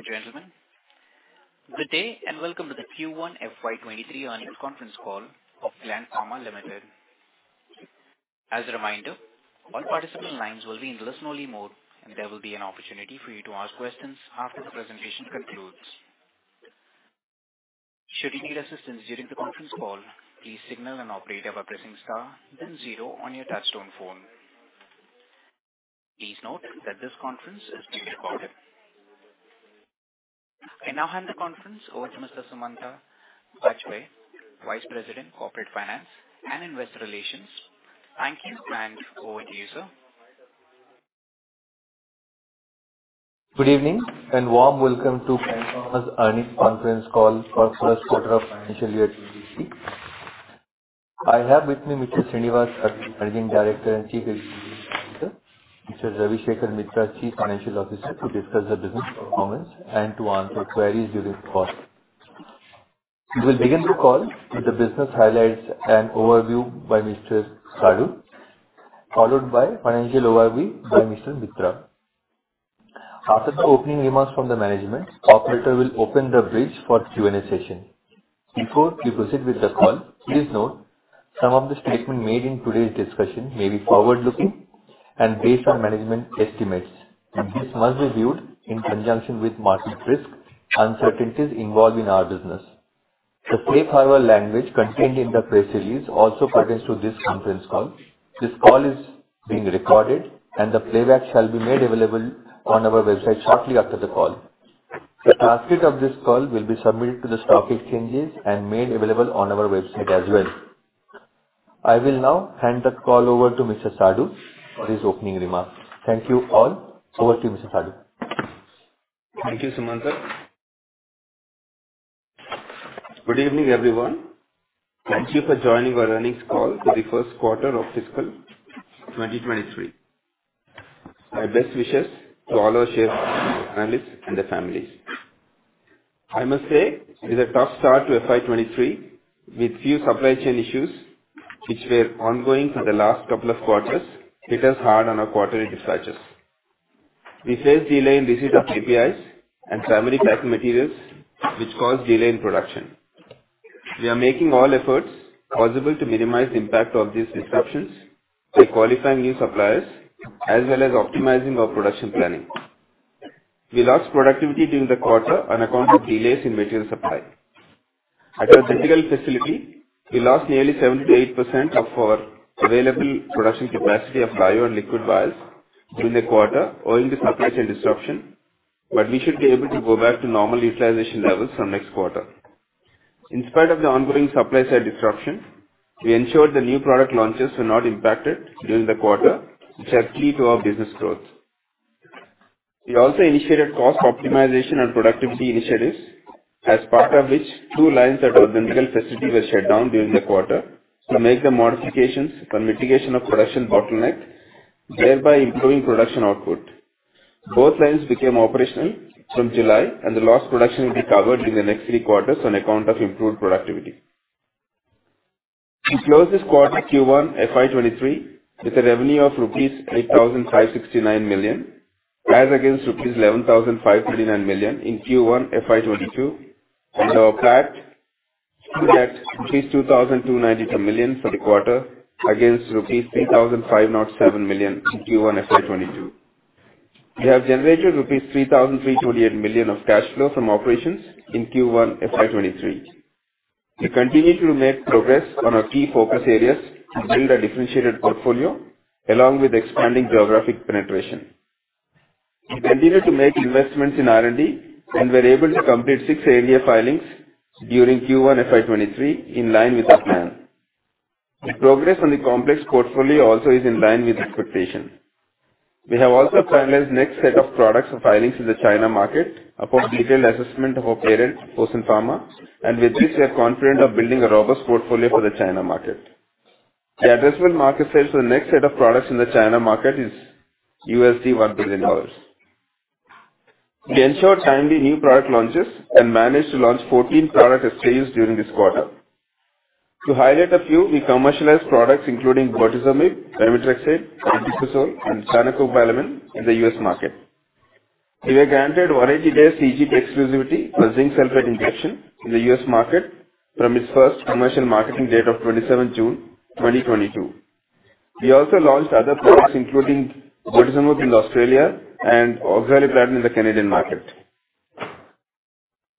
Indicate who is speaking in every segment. Speaker 1: Ladies and gentlemen, good day, and welcome to the Q1 FY 2023 earnings conference call of Gland Pharma Limited. As a reminder, all participant lines will be in listen-only mode, and there will be an opportunity for you to ask questions after the presentation concludes. Should you need assistance during the conference call, please signal an operator by pressing star then zero on your touchtone phone. Please note that this conference is being recorded. I now hand the conference over to Mr. Sumanta Bajpayee, Vice President, Corporate Finance & Investor Relations. Thank you and over to you, sir.
Speaker 2: Good evening, and warm welcome to Gland Pharma's earnings conference call for first quarter of financial year 2023. I have with me Mr. Srinivas Sadu, Managing Director and Chief Executive Officer, Mr. Ravi Shekhar Mitra, Chief Financial Officer, to discuss the business performance and to answer queries during the call. We will begin the call with the business highlights and overview by Mr. Sadu, followed by financial overview by Mr. Mitra. After the opening remarks from the management, operator will open the bridge for Q&A session. Before we proceed with the call, please note some of the statements made in today's discussion may be forward-looking and based on management estimates. This must be viewed in conjunction with market risks, uncertainties involved in our business. The safe harbor language contained in the press release also pertains to this conference call. This call is being recorded and the playback shall be made available on our website shortly after the call. The transcript of this call will be submitted to the stock exchanges and made available on our website as well. I will now hand the call over to Mr. Sadu for his opening remarks. Thank you all. Over to you, Mr. Sadu.
Speaker 3: Thank you, Sumanta. Good evening, everyone. Thank you for joining our earnings call for the first quarter of fiscal 2023. My best wishes to all our shareholders, analysts and their families. I must say it's a tough start to FY 2023 with few supply chain issues which were ongoing for the last couple of quarters. Hit us hard on our quarterly dispatches. We face delay in receipt of APIs and primary packaging materials which caused delay in production. We are making all efforts possible to minimize the impact of these disruptions by qualifying new suppliers as well as optimizing our production planning. We lost productivity during the quarter on account of delays in material supply. At our Dundigal facility, we lost nearly 78% of our available production capacity of bio and liquid vials during the quarter owing to supply chain disruption, but we should be able to go back to normal utilization levels from next quarter. In spite of the ongoing supply side disruption, we ensured the new product launches were not impacted during the quarter, which are key to our business growth. We also initiated cost optimization and productivity initiatives, as part of which two lines at our Dundigal facility were shut down during the quarter to make the modifications for mitigation of production bottleneck, thereby improving production output. Both lines became operational from July, and the lost production will be covered during the next three quarters on account of improved productivity. We closed this quarter Q1 FY 2023 with a revenue of 8,569 million rupees as against 11,529 million rupees in Q1 FY 2022 and our PAT stood at 2,292 million rupees for the quarter against 3,507 million rupees in Q1 FY 2022. We have generated 3,328 million rupees of cash flow from operations in Q1 FY 2023. We continue to make progress on our key focus areas to build a differentiated portfolio along with expanding geographic penetration. We continue to make investments in R&D and were able to complete six ANDA filings during Q1 FY 2023 in line with our plan. The progress on the complex portfolio also is in line with expectation. We have also finalized next set of products for filings in the China market upon detailed assessment of our parent, Fosun Pharma, and with this we are confident of building a robust portfolio for the China market. The addressable market sales for the next set of products in the China market is $1 billion. We ensure timely new product launches and managed to launch 14 product SKUs during this quarter. To highlight a few, we commercialized products including Bortezomib, Methotrexate, Inducel and Cyanocobalamin in the U.S. market. We were granted 180-day CGT exclusivity for Zinc Sulfate Injection in the U.S. market from its first commercial marketing date of 27 June 2022. We also launched other products including Bortezomib in Australia and Oglifloatin in the Canadian market.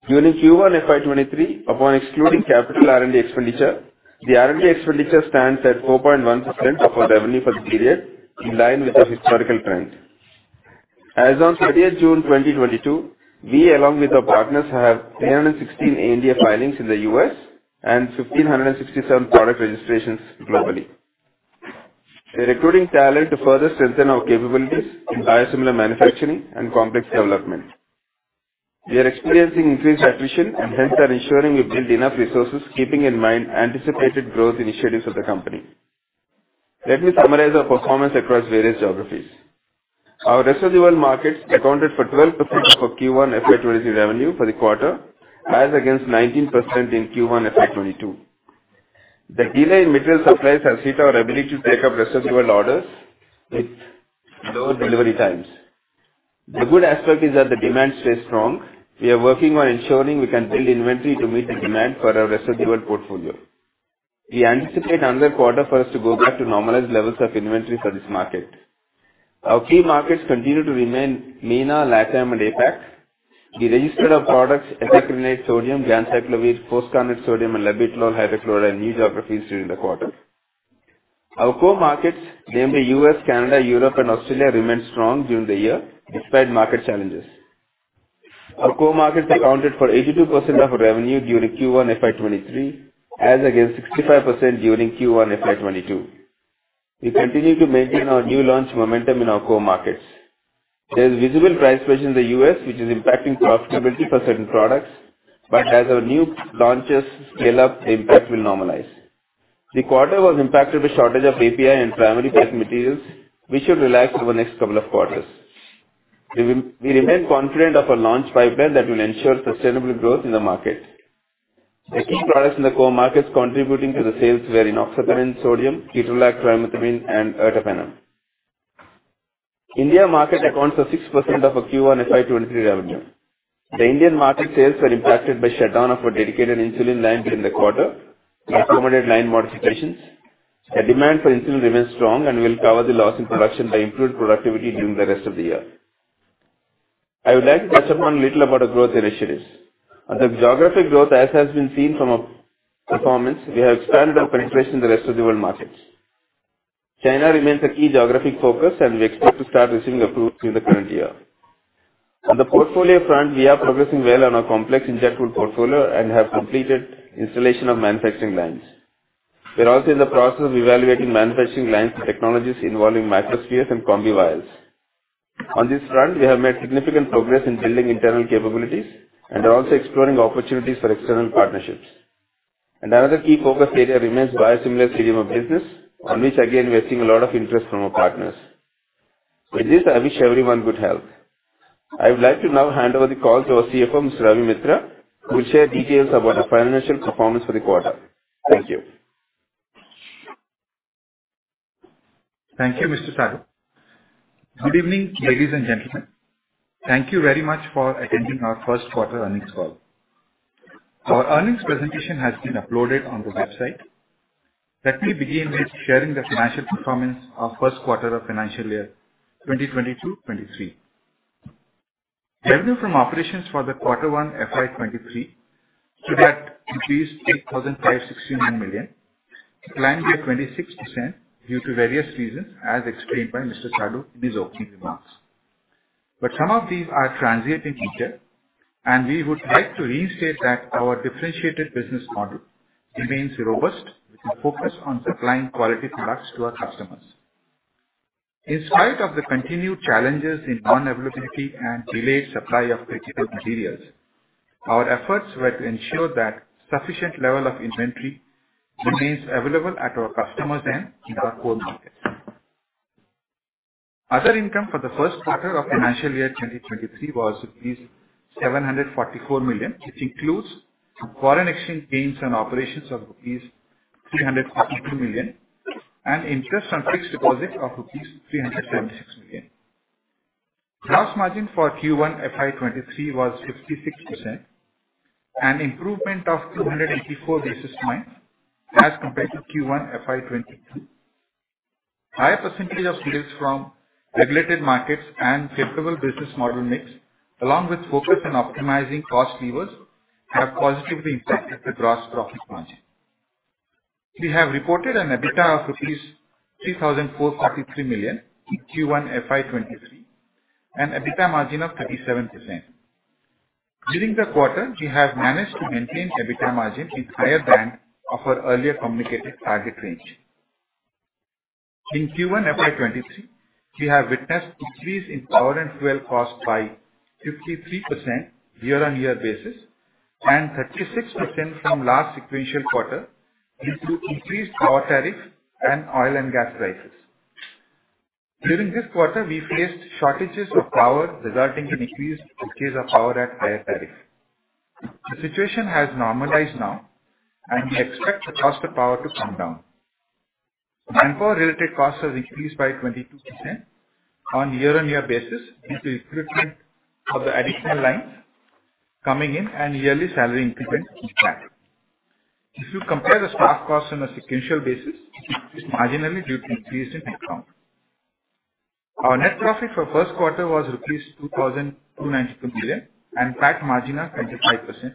Speaker 3: During Q1 FY 2023, upon excluding capital R&D expenditure, the R&D expenditure stands at 4.1% of our revenue for the period, in line with our historical trend. As on 30th June 2022, we along with our partners have 316 ANDA filings in the U.S. and 1,567 product registrations globally. We are recruiting talent to further strengthen our capabilities in biosimilar manufacturing and complex development. We are experiencing increased attrition and hence are ensuring we build enough resources keeping in mind anticipated growth initiatives of the company. Let me summarize our performance across various geographies. Our rest of the world markets accounted for 12% of our Q1 FY 2023 revenue for the quarter as against 19% in Q1 FY 2022. The delay in material supplies has hit our ability to take up rest of the world orders with low delivery times. The good aspect is that the demand stays strong. We are working on ensuring we can build inventory to meet the demand for our rest of the world portfolio. We anticipate another quarter for us to go back to normalized levels of inventory for this market. Our key markets continue to remain MENA, LATAM and APAC. We registered our products, Ethacrynate sodium, Ganciclovir, Foscarnet Sodium, and labetalol hydrochloride in new geographies during the quarter. Our core markets, namely U.S, Canada, Europe and Australia, remained strong during the year despite market challenges. Our core markets accounted for 82% of revenue during Q1 FY 2023, as against 65% during Q1 FY 2022. We continue to maintain our new launch momentum in our core markets. There's visible price pressure in the U.S. which is impacting profitability for certain products, but as our new launches scale up, the impact will normalize. The quarter was impacted with shortage of API and primary care materials, which should relax over the next couple of quarters. We remain confident of our launch pipeline that will ensure sustainable growth in the market. The key products in the core markets contributing to the sales were Enoxaparin Sodium, Ketorolac Tromethamine, and Ertapenem. Indian market accounts for 6% of our Q1 FY 2023 revenue. The Indian market sales were impacted by shutdown of our dedicated insulin line during the quarter to accommodate line modifications. The demand for insulin remains strong and will cover the loss in production by improved productivity during the rest of the year. I would like to touch upon a little about our growth initiatives. On the geographic growth, as has been seen from our performance, we have expanded our penetration in the rest of the world markets. China remains a key geographic focus, and we expect to start receiving approvals in the current year. On the portfolio front, we are progressing well on our complex injectable portfolio and have completed installation of manufacturing lines. We're also in the process of evaluating manufacturing lines and technologies involving microspheres and combi vials. On this front, we have made significant progress in building internal capabilities and are also exploring opportunities for external partnerships. Another key focus area remains biosimilar CDMO business, on which again we are seeing a lot of interest from our partners. With this, I wish everyone good health. I would like to now hand over the call to our CFO, Mr. Ravi Mitra, who will share details about our financial performance for the quarter. Thank you.
Speaker 4: Thank you, Mr. Sadu. Good evening, ladies and gentlemen. Thank you very much for attending our first quarter earnings call. Our earnings presentation has been uploaded on the website. Let me begin with sharing the financial performance of first quarter of financial year 2022-2023. Revenue from operations for Q1 FY 2023 stood at INR 3,569 million, a 26% decline due to various reasons as explained by Mr. Sadu in his opening remarks. Some of these are transient in nature, and we would like to restate that our differentiated business model remains robust with a focus on supplying quality products to our customers. In spite of the continued challenges in unavailability and delayed supply of critical materials, our efforts were to ensure that sufficient level of inventory remains available at our customers' end in our core markets. Other income for the first quarter of financial year 2023 was rupees 744 million. It includes foreign exchange gains and operations of rupees 342 million and interest on fixed deposit of rupees 326 million. Gross margin for Q1 FY 2023 was 56%, an improvement of 284 basis points as compared to Q1 FY 2022. Higher percentage of sales from regulated markets and favorable business model mix, along with focus on optimizing cost levers, have positively impacted the gross profit margin. We have reported an EBITDA of 3,443 million in Q1 FY 2023 and EBITDA margin of 37%. During the quarter, we have managed to maintain EBITDA margin in higher band of our earlier communicated target range. In Q1 FY 2023, we have witnessed increase in power and fuel cost by 53% year-on-year basis and 36% from last sequential quarter due to increased power tariffs and oil and gas prices. During this quarter, we faced shortages of power, resulting in increased purchase of power at higher tariff. The situation has normalized now, and we expect the cost of power to come down. Manpower-related costs have increased by 22% on year-on-year basis due to recruitment of the additional lines coming in and yearly salary increment in staff. If you compare the staff costs on a sequential basis, it's marginally due to increase in headcount. Our net profit for first quarter was rupees 2,292 million and PAT margin of 25%.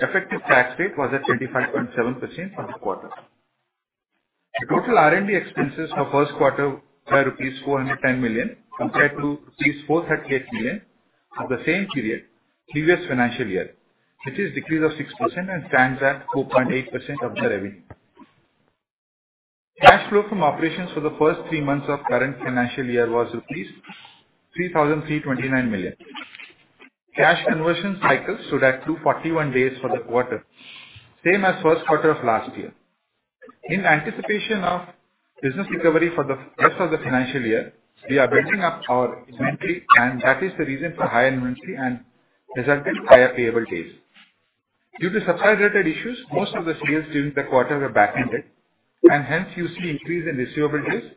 Speaker 4: Effective tax rate was at 25.7% for the quarter. The total R&D expenses for first quarter were rupees 410 million compared to rupees 438 million of the same period previous financial year, which is decrease of 6% and stands at 2.8% of the revenue. Cash flow from operations for the first three months of current financial year was rupees 3,329 million. Cash conversion cycle stood at 241 days for the quarter, same as first quarter of last year. In anticipation of business recovery for the rest of the financial year, we are building up our inventory, and that is the reason for higher inventory and resulting higher payable days. Due to supply related issues, most of the sales during the quarter were back-ended, and hence you see increase in receivables,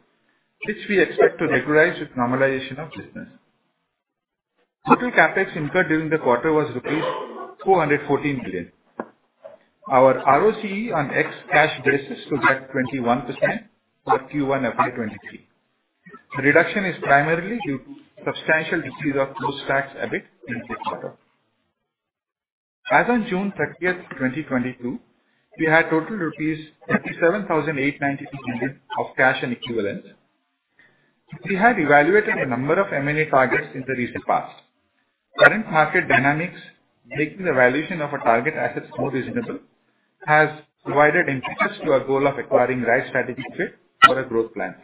Speaker 4: which we expect to regularize with normalization of business. Total CapEx incurred during the quarter was rupees 414 million. Our ROCE on ex cash basis was at 21% for Q1 FY 2023. The reduction is primarily due to substantial decrease of post-tax EBIT in this quarter. As on June 30, 2022, we had total rupees 37,892 million of cash and equivalents. We have evaluated a number of M&A targets in the recent past. Current market dynamics making the valuation of our target assets more reasonable has provided impetus to our goal of acquiring right strategic fit for our growth plans.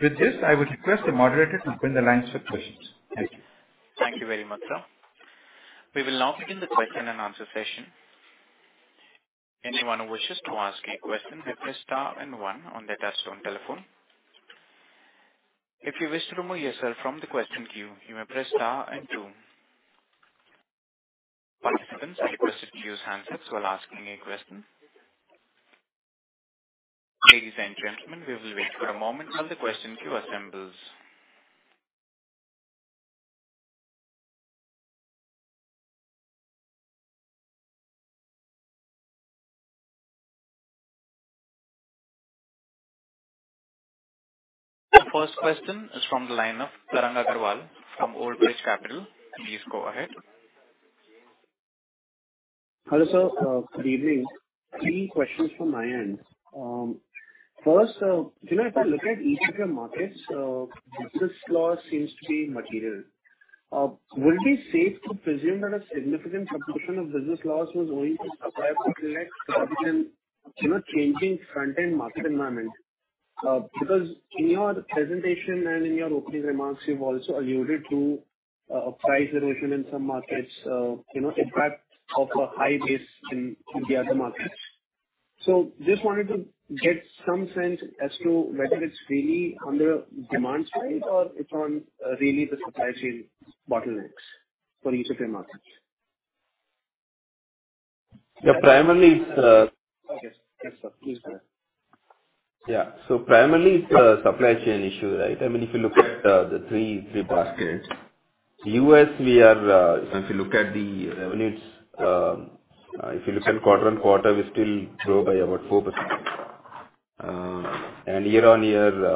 Speaker 4: With this, I would request the moderator to open the lines for questions. Thank you.
Speaker 1: Thank you very much, sir. We will now begin the question and answer session. Anyone who wishes to ask a question may press star and one on their touchtone telephone. If you wish to remove yourself from the question queue, you may press star and two. Participants are requested to use handsets while asking a question. Ladies and gentlemen, we will wait for a moment while the question queue assembles. The first question is from the line of Tarang Agrawal from Old Bridge Capital Management. Please go ahead.
Speaker 5: Hello, sir. Good evening. Three questions from my end. First, you know, if I look at each of your markets, business loss seems to be material. Would it be safe to presume that a significant proportion of business loss was owing to supply bottlenecks and, you know, changing front-end market environment? Because in your presentation and in your opening remarks, you've also alluded to, price reduction in some markets, you know, impact of a high base in the other markets. Just wanted to get some sense as to whether it's really on the demand side or it's on, really the supply chain bottlenecks for each of your markets?
Speaker 3: Yeah, primarily it's
Speaker 5: Okay. Yes, sir. Please go ahead.
Speaker 3: Primarily it's a supply chain issue, right? I mean, if you look at the three baskets.
Speaker 5: Okay.
Speaker 3: U.S, we are if you look at the revenues if you look at quarter-on-quarter, we still grow by about 4%. Year-on-year,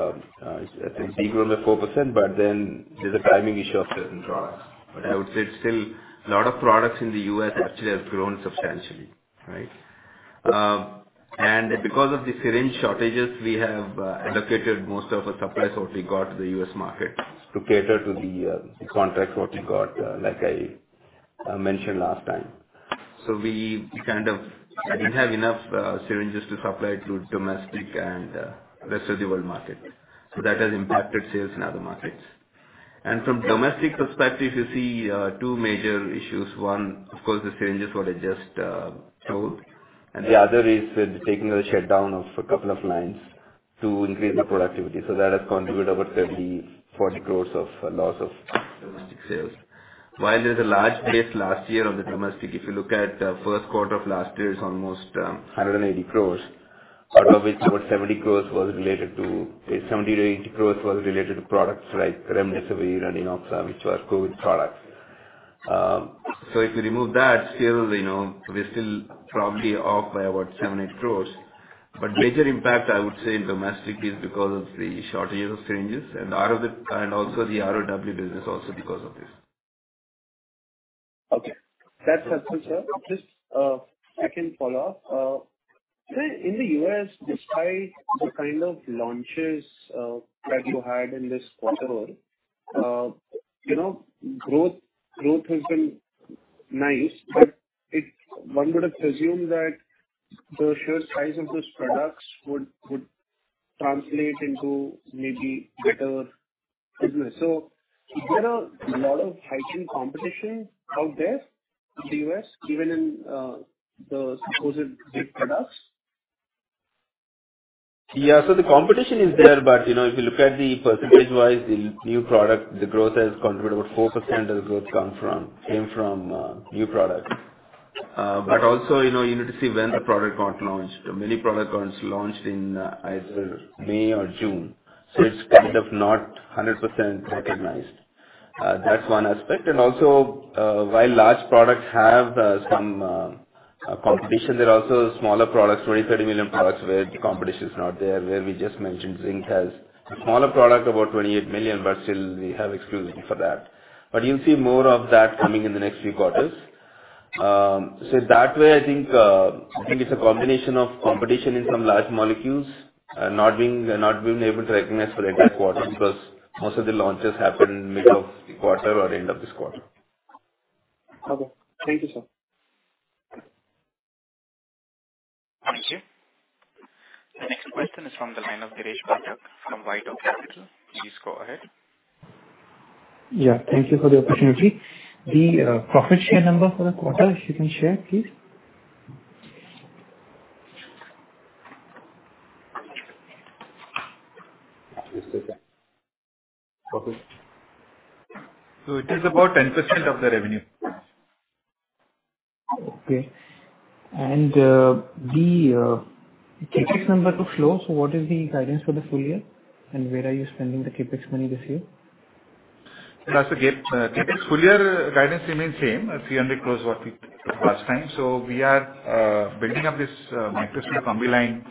Speaker 3: I think de-grown by 4%, but then there's a timing issue of certain products. I would say it's still a lot of products in the U.S. actually have grown substantially, right? Because of the syringe shortages, we have allocated most of our supplies what we got to the U.S. market to cater to the contracts what we got, like I mentioned last time. We kind of didn't have enough syringes to supply to domestic and rest-of-the-world market. That has impacted sales in other markets. From domestic perspective, you see two major issues. Of course, the syringes what I just told. The other is with taking a shutdown of a couple of lines to increase the productivity. That has contributed about 30 crores- 40 crores of loss of domestic sales. While there's a large base last year on the domestic, if you look at first quarter of last year, it's almost 180 crores. Out of which 70 crores- 80 crores was related to products like Remdesivir and Enoxaparin which were COVID products. If you remove that, still, you know, we're probably off by about 7 crores- 8 crores. Major impact I would say in domestic is because of the shortage of syringes and also the ROW business also because of this.
Speaker 5: Okay. That's helpful, sir. Just second follow-up. In the U.S, despite the kind of launches that you had in this quarter, you know, growth has been nice, but it's one would have presumed that the sheer size of those products would translate into maybe better business. Is there a lot of heightened competition out there in the U.S, even in the supposed big products?
Speaker 3: Yeah. The competition is there, but, you know, if you look at the percentage-wise, the new product, the growth has contributed about 4% of the growth came from new products. Also, you know, you need to see when the product got launched. Many product got launched in, either May or June, so it's kind of not 100% recognized. That's one aspect. Also, while large products have some competition, there are also smaller products, $20 million, $30 million products, where competition is not there, where we just mentioned Zinc has a smaller product, about $28 million, but still we have exclusivity for that. You'll see more of that coming in the next few quarters. That way, I think it's a combination of competition in some large molecules, not being able to recognize for entire quarter because most of the launches happen middle of the quarter or end of this quarter.
Speaker 5: Okay. Thank you, sir.
Speaker 1: Thank you. The next question is from the line of Dheeresh Pathak from WhiteOak Capital. Please go ahead.
Speaker 6: Yeah, thank you for the opportunity. The profit share number for the quarter, if you can share, please?
Speaker 3: Just a second.
Speaker 6: Perfect.
Speaker 4: It is about 10% of the revenue.
Speaker 6: Okay. The CapEx number took low, so what is the guidance for the full year and where are you spending the CapEx money this year?
Speaker 4: That's okay. CapEx full year guidance remains same, 300 crore as we last time. We are building up this microsphere combi-line,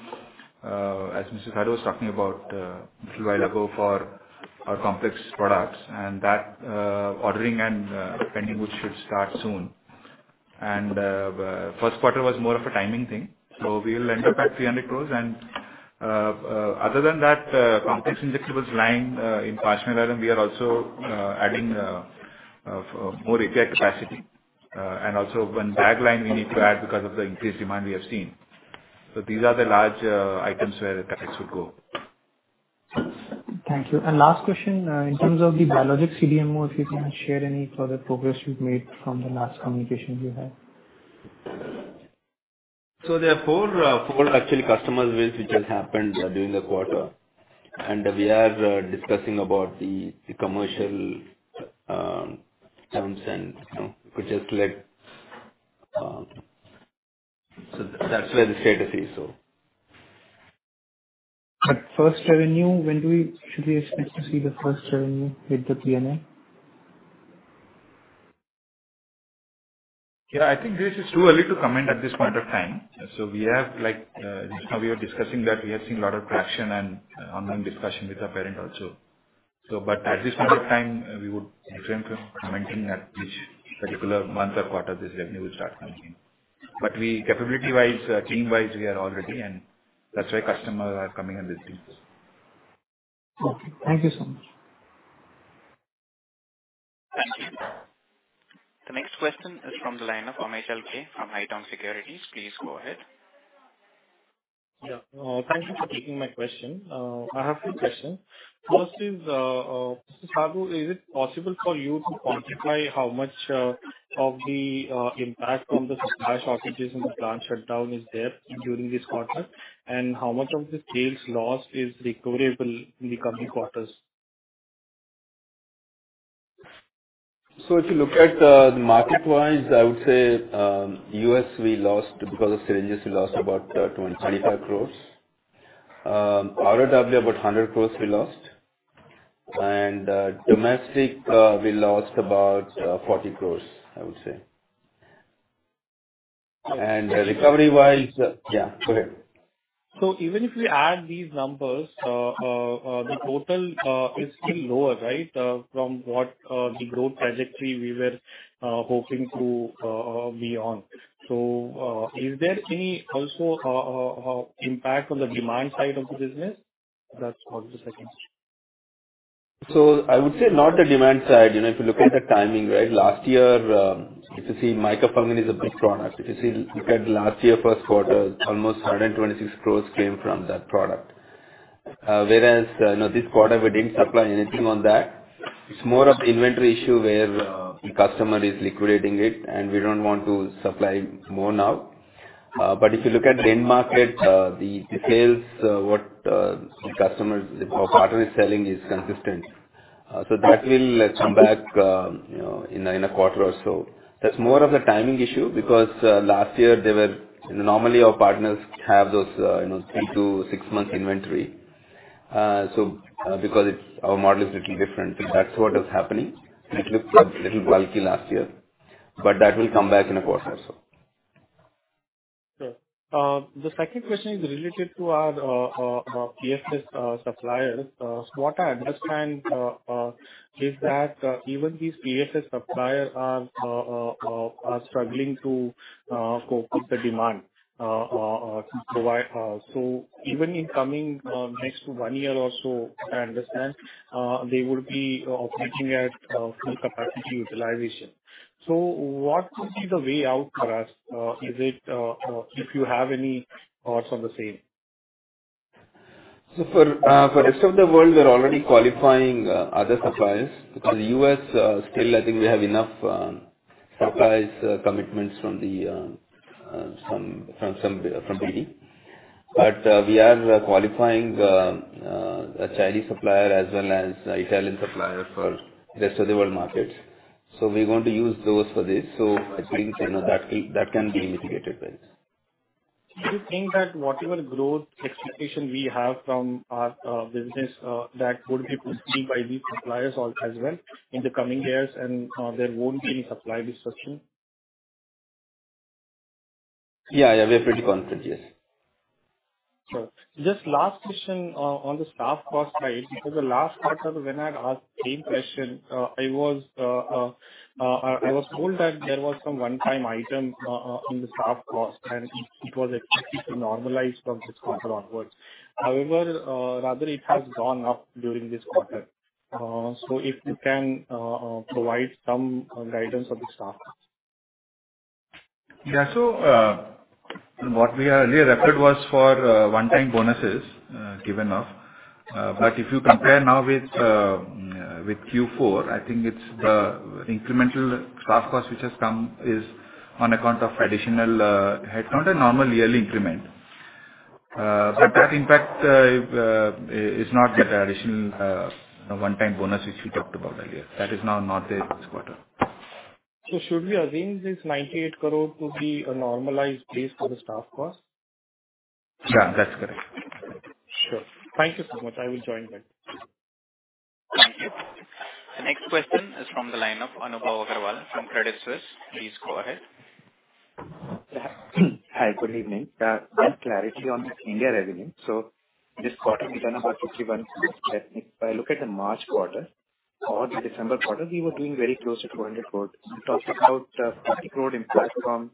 Speaker 4: as Mr. Sadu was talking about little while ago for our complex products and that ordering and pending which should start soon. First quarter was more of a timing thing, so we'll end up at 300 crore. Other than that, complex injectables line in Pashamylaram we are also adding more API capacity. Also 1 bag line we need to add because of the increased demand we have seen. These are the large items where the CapEX Will go.
Speaker 6: Thank you. Last question, in terms of the biologic CDMO, if you can share any further progress you've made from the last communication you had?
Speaker 4: There are four actually customer wins which has happened during the quarter. We are discussing about the commercial terms and, you know. That's where the status is.
Speaker 6: First revenue, should we expect to see the first revenue with the CDMO?
Speaker 4: Yeah, I think this is too early to comment at this point of time. We have like, how we are discussing that we have seen a lot of traction and ongoing discussion with our parent also. At this point of time, we would refrain from commenting at which particular month or quarter this revenue will start coming. We capability-wise, team-wise, we are all ready and that's why customers are coming and visiting.
Speaker 6: Okay, thank you so much.
Speaker 1: Thank you. The next question is from the line of Amey Chalke from Haitong Securities. Please go ahead.
Speaker 7: Yeah. Thank you for taking my question. I have two question. First is, Mr. Sadu, is it possible for you to quantify how much of the impact from the supply shortages and the plant shutdown is there during this quarter? How much of the sales loss is recoverable in the coming quarters?
Speaker 3: If you look at the market-wise, I would say, U.S, we lost because of syringes. We lost about 25 crore. ROW, about 100 crore we lost. Domestic, we lost about 40 crore, I would say. Recovery-wise. Yeah, go ahead.
Speaker 7: Even if we add these numbers, the total is still lower, right? From what the growth trajectory we were hoping to be on. Is there any also impact on the demand side of the business? That was the second question.
Speaker 3: I would say not the demand side. You know, if you look at the timing, right? Last year, if you see Micra Pump Gun is a big product. If you see, look at last year first quarter, almost 126 crore came from that product. Whereas, you know, this quarter we didn't supply anything on that. It's more of inventory issue where, the customer is liquidating it, and we don't want to supply more now. But if you look at end market, the sales what the customer or partner is selling is consistent. So that will come back, you know, in a quarter or so. That's more of a timing issue because normally our partners have those, you know, 3 months-6 months inventory. Because our model is little different. That's what is happening. It looked like little bulky last year, but that will come back in a quarter or so.
Speaker 7: Sure. The second question is related to our PFS suppliers. What I understand is that even these PFS suppliers are struggling to cope with the demand to provide, so even in coming next one year or so, I understand they would be operating at full capacity utilization. What could be the way out for us? Is it if you have any thoughts on the same.
Speaker 3: For rest of the world, we're already qualifying other suppliers. Because U.S. still I think we have enough supplier commitments from BD. We are qualifying a Chinese supplier as well as Italian supplier for rest of the world markets. We're going to use those for this. I think, you know, that can be mitigated by this.
Speaker 7: Do you think that whatever growth expectation we have from our business that would be pushed by these suppliers all as well in the coming years and there won't be any supply disruption?
Speaker 3: Yeah, yeah, we're pretty confident, yes.
Speaker 7: Sure. Just last question on the staff cost side, because the last quarter when I'd asked same question, I was told that there was some one-time item on the staff cost and it was expected to normalize from this quarter onwards. However, rather it has gone up during this quarter. If you can provide some guidance on the staff?
Speaker 3: Yeah. What we have referred was for one-time bonuses given off. If you compare now with Q4, I think it's incremental staff cost which has come is on account of additional headcount and normal yearly increment.
Speaker 7: Okay.
Speaker 3: That impact is not with the additional one-time bonus which we talked about earlier. That is now not there this quarter.
Speaker 7: Should we assume this 98 crore to be a normalized base for the staff cost?
Speaker 3: Yeah, that's correct.
Speaker 7: Sure. Thank you so much. I will join back.
Speaker 1: Thank you. The next question is from the line of Anubhav Agarwal from Credit Suisse. Please go ahead.
Speaker 8: Hi, good evening. One clarity on this India revenue. This quarter we done about 61 crore. If I look at the March quarter or the December quarter, we were doing very close to 400 crore. You talked about 30 crore impact from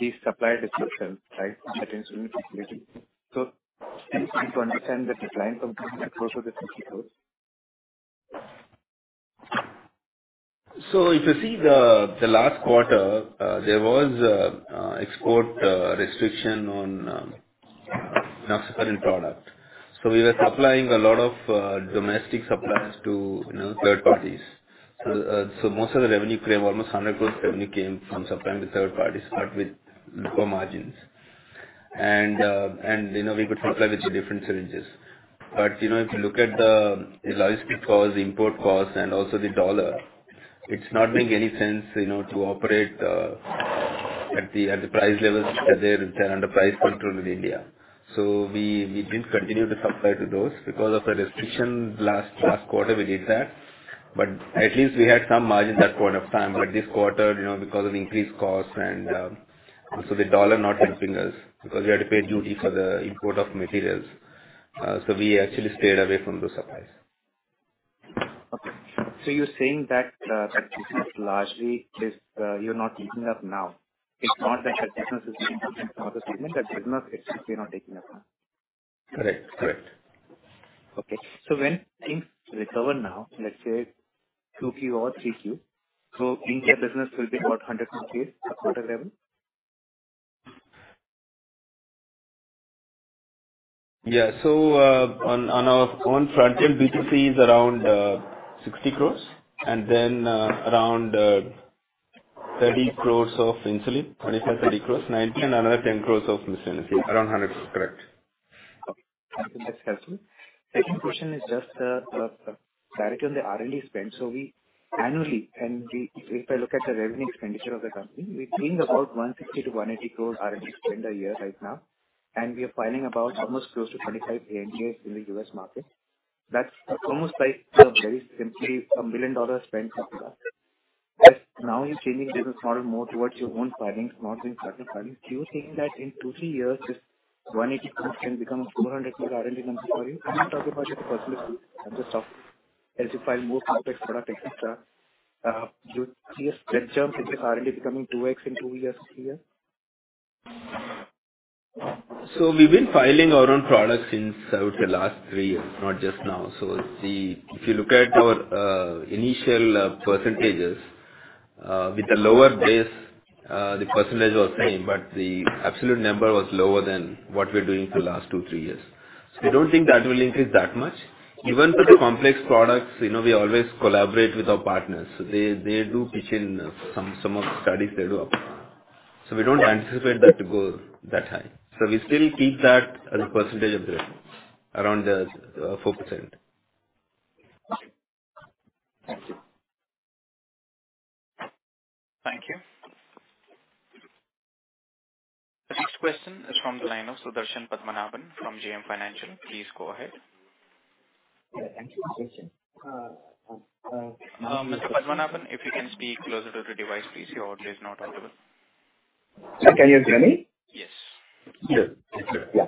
Speaker 8: the supply restriction, right? That insulin facility. Can you please explain the decline from close to the INR 60 crore?
Speaker 3: If you see the last quarter, there was export restriction on Naphazoline product. We were supplying a lot of domestic supplies to, you know, third parties. Most of the revenue came, almost 100 crore revenue came from supplying to third parties, but with lower margins. You know, we could supply with the different syringes. If you look at the logistic cost, the import cost, and also the dollar, it's not making any sense, you know, to operate at the price levels that they return under price control with India. We didn't continue to supply to those. Because of the restriction last quarter we did that, but at least we had some margin at that point of time. This quarter, you know, because of increased costs and also the U.S. dollar not helping us because we had to pay duty for the import of materials, so we actually stayed away from those supplies.
Speaker 8: Okay. You're saying that this is largely this, you're not taking up now. It's not that the business is shrinking from other segments. That business is simply not taking up now.
Speaker 3: Correct. Correct.
Speaker 8: Okay. When things recover now, let's say 2Q or 3Q, India business will be about 100 crore quarter revenue?
Speaker 3: Yeah. On our own front end, B2C is around 60 crores and then around 30 crores of insulin, 25- 30 crores, 90 crores and another 10 crores of miscellaneous. Around 100 crores. Correct.
Speaker 8: Okay. That's helpful. Second question is just clarity on the R&D spend. Annually, if I look at the revenue expenditure of the company, we're doing about 160- INR 180 crores R&D spend a year right now, and we are filing about almost close to 25 ANDAs in the U.S. market. That's almost like very simply a $1 million spend per year. And now you're changing business model more towards your own filings, not doing contract filings. Do you think that in 2 years-3 years this 180 crores can become a 400 crore R&D number for you? I'm not talking about your partnership and the stuff. And as you file more complex product R&D becoming 2x in two years, three years.
Speaker 3: We've been filing our own products since I would say last 3 years, not just now. If you look at our initial percentages with the lower base, the percentage was same, but the absolute number was lower than what we're doing for the last 2 years-3 years. We don't think that will increase that much. Even for the complex products, you know, we always collaborate with our partners. They do pitching some of the studies they do up front. We don't anticipate that to go that high. We still keep that as a percentage of the revenue, around 4%.
Speaker 8: Okay. Thank you.
Speaker 1: Thank you. The next question is from the line of Sudarshan Padmanabhan from JM Financial. Please go ahead.
Speaker 9: Yeah, thank you.
Speaker 1: Mr. Padmanabhan, if you can speak closer to the device, please. Your audio is not audible.
Speaker 9: Can you hear me?
Speaker 1: Yes.
Speaker 9: Good. Yeah.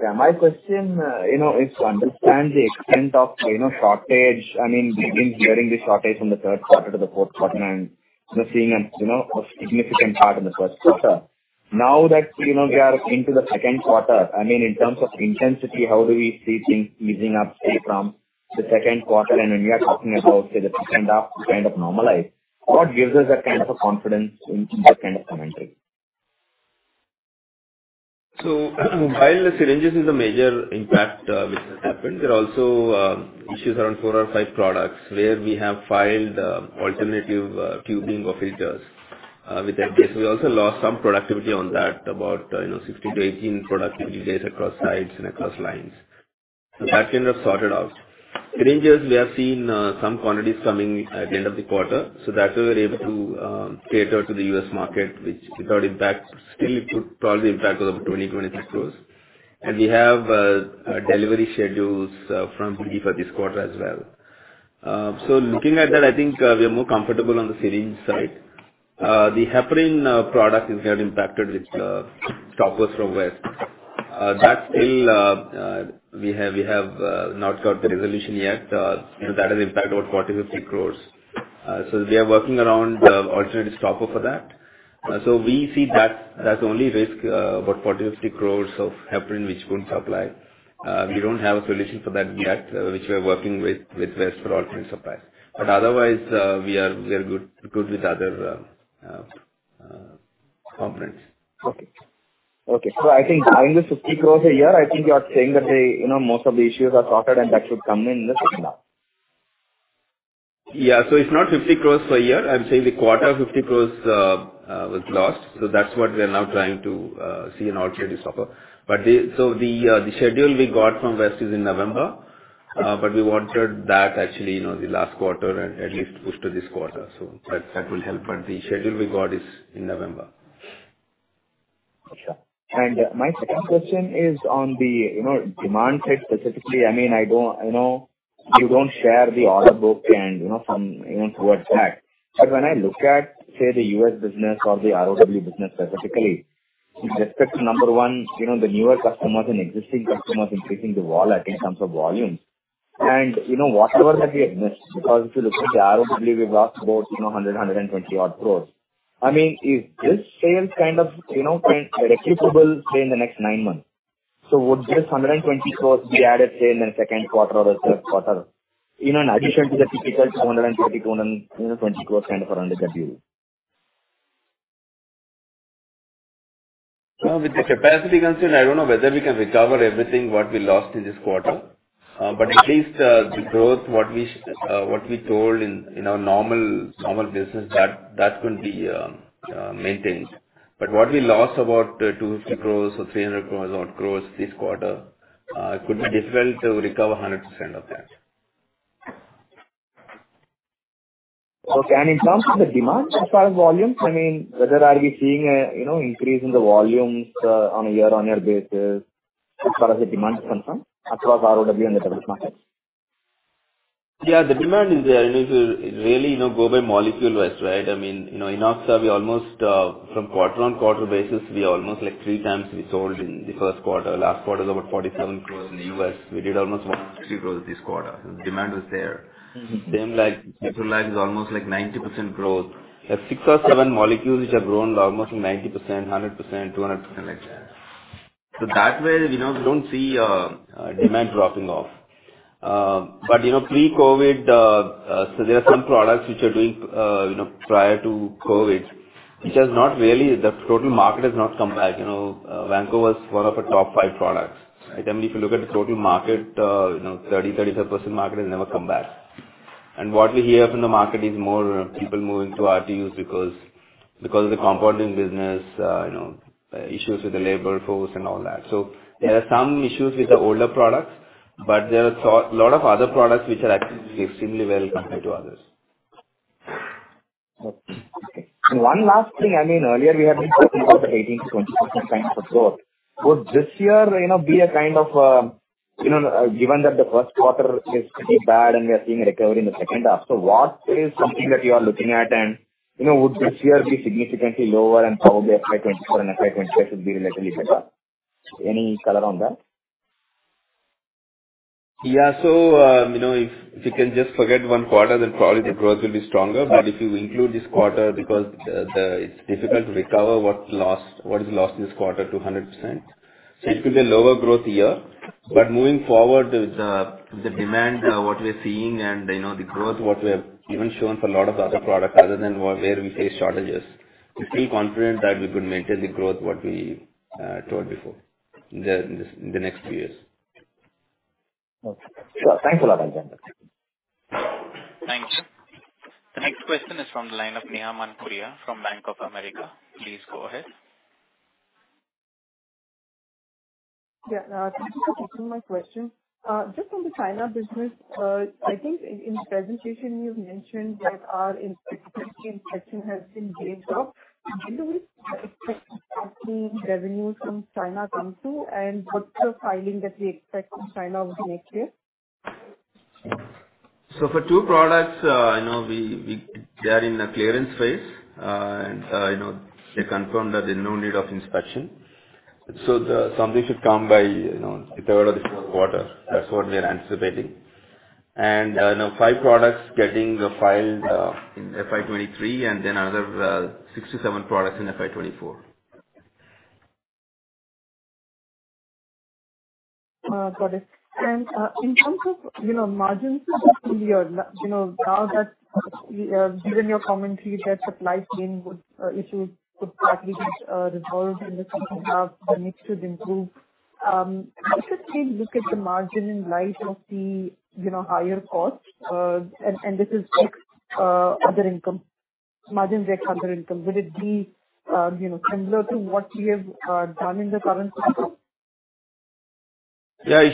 Speaker 9: Yeah. My question, you know, is to understand the extent of, you know, shortage. I mean, we've been hearing the shortage from the third quarter to the fourth quarter and just seeing, you know, a significant part in the first quarter. Now that, you know, we are into the second quarter, I mean, in terms of intensity, how do we see things easing up, say, from the second quarter? And when we are talking about, say, the second half to kind of normalize, what gives us that kind of a confidence in that kind of commentary?
Speaker 3: While the syringes is a major impact, which has happened, there are also issues around four or five products where we have filed alternative tubing or filters. With that case, we also lost some productivity on that, about, you know, 16-18 productivity days across sites and across lines. That kind of sorted out. Syringes we have seen some quantities coming at the end of the quarter, so that way we're able to cater to the U.S. market, which without impact still it would probably impact was about 20 crores- INR 22 crore. We have delivery schedules from BD for this quarter as well. Looking at that, I think we are more comfortable on the syringe side. The heparin product is where impacted with stoppers from West. That still, we have not got the resolution yet. You know, that has impact about 40 crores-50 crores. We are working around the alternative stopper for that. We see that as the only risk, about INR 40crores-INR 50 crores of heparin which couldn't supply. We don't have a solution for that yet, which we are working with West for alternate supply. Otherwise, we are good with other.
Speaker 9: Okay. I think having the 50 crore a year, I think you are saying that they, you know, most of the issues are sorted and that should come in the second half.
Speaker 3: It's not 50 crore per year. I'm saying the quarter, 50 crore was lost. That's what we are now trying to see in order to recover. The schedule we got from West is in November.
Speaker 9: Okay.
Speaker 3: We wanted that actually, you know, the last quarter and at least pushed to this quarter. That will help. The schedule we got is in November.
Speaker 9: Sure. My second question is on the, you know, demand side specifically. I mean, I don't, you know, you don't share the order book and, you know, some, you know, towards that. But when I look at, say, the U.S. business or the ROW business specifically, with respect to, number one, you know, the newer customers and existing customers increasing the wallet in terms of volume and, you know, whatever that we have missed, because if you look at the ROW, we've lost about, you know, 120-odd crore. I mean, is this sales kind of, you know, kind recoverable, say, in the next nine months? Would this 120 crores be added, say, in the second quarter or the third quarter, you know, in addition to the typical 230 crores, 220 crores, you know, crores kind of run rate that we have?
Speaker 3: No, with the capacity concern, I don't know whether we can recover everything what we lost in this quarter. At least, the growth what we told in our normal business, that could be maintained. What we lost about 250 crores or 300 crores, odd crores this quarter, it could be difficult to recover 100% of that.
Speaker 9: Okay. In terms of the demand as far as volumes, I mean, whether are we seeing a, you know, increase in the volumes on a year-on-year basis as far as the demand is concerned across ROW and the developed markets?
Speaker 3: The demand is there. You know, if you really, you know, go by molecule-wise, right? I mean, you know, in Oxaliplatin from quarter-on-quarter basis, like 3x we sold in the first quarter. Last quarter is about 47 crore in the U.S. We did almost 160 crore this quarter. Demand was there. Same like Methylprednisolone is almost like 90% growth. There are six or seven molecules which have grown almost 90%, 100%, 200% like that. That way, you know, we don't see demand dropping off. You know, pre-COVID, there are some products which are doing, you know, prior to COVID, which has not really come back. The total market has not come back. You know, Vancomycin was one of our top five products, right? I mean, if you look at the total market, you know, 30%-35% market has never come back. What we hear from the market is more people moving to RTUs because of the compounding business, you know, issues with the labor force and all that. There are some issues with the older products, but there are a lot of other products which are actually extremely well compared to others.
Speaker 9: Okay. One last thing. I mean, earlier we had been talking about the 18%-20% kind of a growth. Would this year, you know, be a kind of, you know, given that the first quarter is pretty bad and we are seeing a recovery in the second half, so what is something that you are looking at and, you know, would this year be significantly lower and probably FY 2024 and FY 2025 should be relatively better? Any color on that?
Speaker 3: Yeah, you know, if you can just forget one quarter, then probably the growth will be stronger. If you include this quarter because it's difficult to recover what is lost in this quarter to 100%. It will be a lower growth year. Moving forward with the demand what we are seeing and, you know, the growth what we have even shown for a lot of the other products other than where we face shortages, we feel confident that we could maintain the growth what we told before this in the next few years. Okay. Sure. Thank you a lot, Sudarshan.
Speaker 1: Thank you. The next question is from the line of Neha Manpuria from Bank of America. Please go ahead.
Speaker 10: Yeah. Thank you for taking my question. Just on the China business, I think in presentation you've mentioned that inspection has been completed. When do we expect exactly revenues from China come through? What's your filing that we expect from China over the next year?
Speaker 3: For two products, they are in a clearance phase. They confirmed that there's no need of inspection. Something should come by the third or the fourth quarter. That's what we are anticipating. Five products getting filed in Q1 FY 2023 and then another 6 products-7 products in FY 2024.
Speaker 10: Got it. In terms of, you know, margins just in the year, you know, now that given your commentary that supply chain issues could partly get resolved and the company have the mixtures improved, how should we look at the margin in light of the, you know, higher costs? This is ex other income. Margins ex other income. Will it be, you know, similar to what we have done in the current fiscal?
Speaker 3: Yeah, it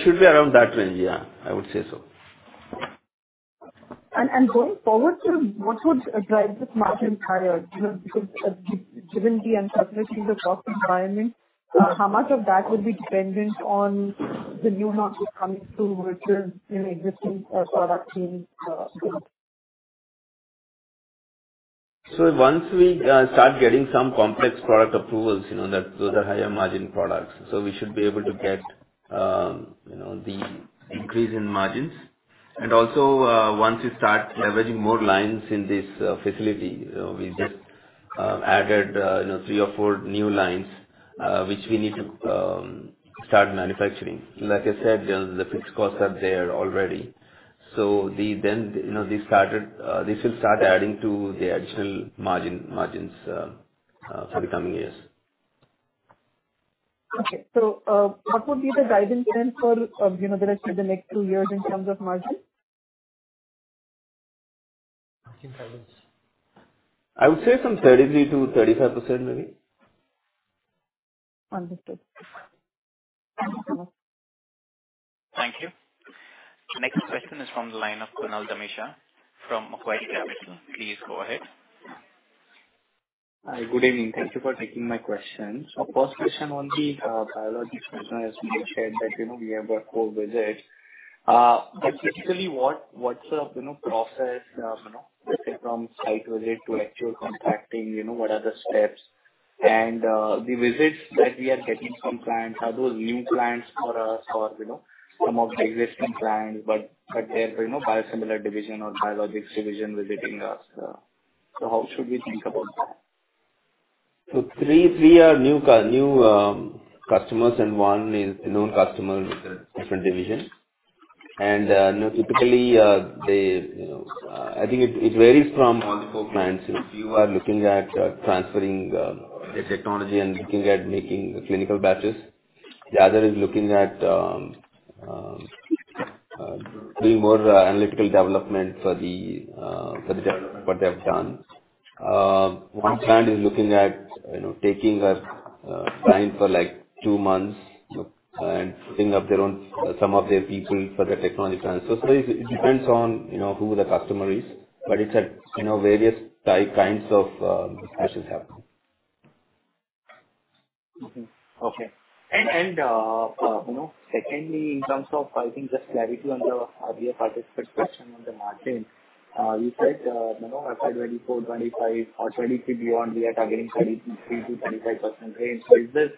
Speaker 3: should be around that range. Yeah, I would say so.
Speaker 10: Going forward, what would drive this margin higher? You know, because given the uncertainty in the cost environment, how much of that would be dependent on the new markets coming through versus, you know, existing product mix, you know?
Speaker 3: Once we start getting some complex product approvals, you know, those are higher margin products, so we should be able to get the increase in margins. Also, once we start leveraging more lines in this facility, we just added three or four new lines, which we need to start manufacturing. Like I said, the fixed costs are there already. Then, you know, this will start adding to the actual margins for the coming years.
Speaker 10: Okay. What would be the guidance then for, you know, the rest of the next two years in terms of margins?
Speaker 3: Margin guidance. I would say 33%-35% maybe.
Speaker 10: Understood. Thank you so much.
Speaker 1: Thank you. The next question is from the line of Kunal Dhamesha from Macquarie Capital. Please go ahead.
Speaker 11: Hi, good evening. Thank you for taking my questions. First question on the biologics business. You shared that, you know, we have got four visits. Typically, what's the process, you know, let's say from site visit to actual contracting, you know, what are the steps? The visits that we are getting from clients, are those new clients for us or, you know, some of the existing clients, but they're, you know, biosimilar division or biologics division visiting us. How should we think about that?
Speaker 3: Three are new customers and one is known customer with a different division. I think it varies from multiple clients. Few are looking at transferring the technology and looking at making the clinical batches. The other is looking at doing more analytical development for the what they have done. One client is looking at taking a client for like two months and putting up their own some of their people for the technology transfer. It depends on who the customer is, but it's at various kinds of batches happening.
Speaker 11: You know, secondly, in terms of I think just clarity on the earlier participant's question on the margin. You said, you know, FY 2024, 2025 or 2023 beyond, we are targeting 23%-25% range. Is this,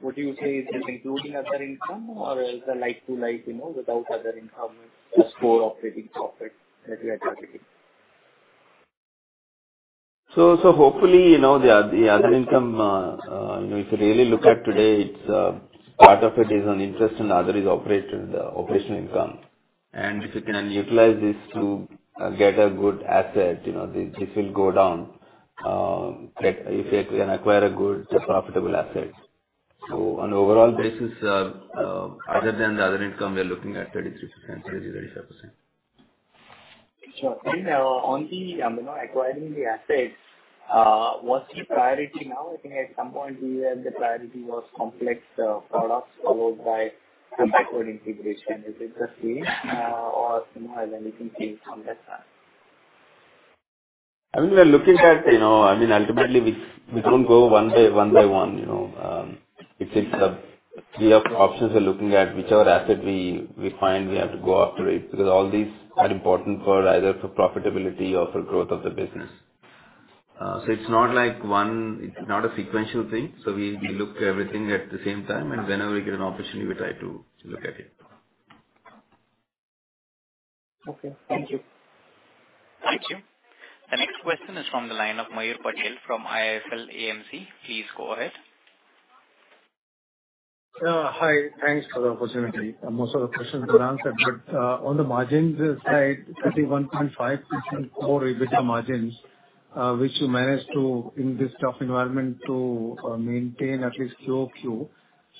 Speaker 11: would you say, including other income or is the like-for-like, you know, without other income, just core operating profit that we are targeting?
Speaker 3: Hopefully, you know, the other income, you know, if you really look at today, it's part of it is on interest and other is operational income. If you can utilize this to get a good asset, you know, this will go down. Like if you can acquire a good profitable asset. On an overall basis, other than the other income, we are looking at 33%-35%.
Speaker 11: Sure. On the, you know, acquiring the assets, what's the priority now? I think at some point we had the priority was complex products followed by the backward integration. Is it the same, or, you know, has anything changed from that plan?
Speaker 3: I mean, we are looking at, you know. I mean, ultimately, we don't go one by one, you know. We have options, we're looking at whichever asset we find we have to go after it, because all these are important either for profitability or for growth of the business. It's not like one, it's not a sequential thing. We look everything at the same time, and whenever we get an opportunity, we try to look at it.
Speaker 11: Okay. Thank you.
Speaker 1: Thank you. The next question is from the line of Mayur Patel from IIFL AMC. Please go ahead.
Speaker 12: Hi. Thanks for the opportunity. Most of the questions were answered, but on the margins side, 31.5% core EBITDA margins, which you managed to, in this tough environment, maintain at least status quo.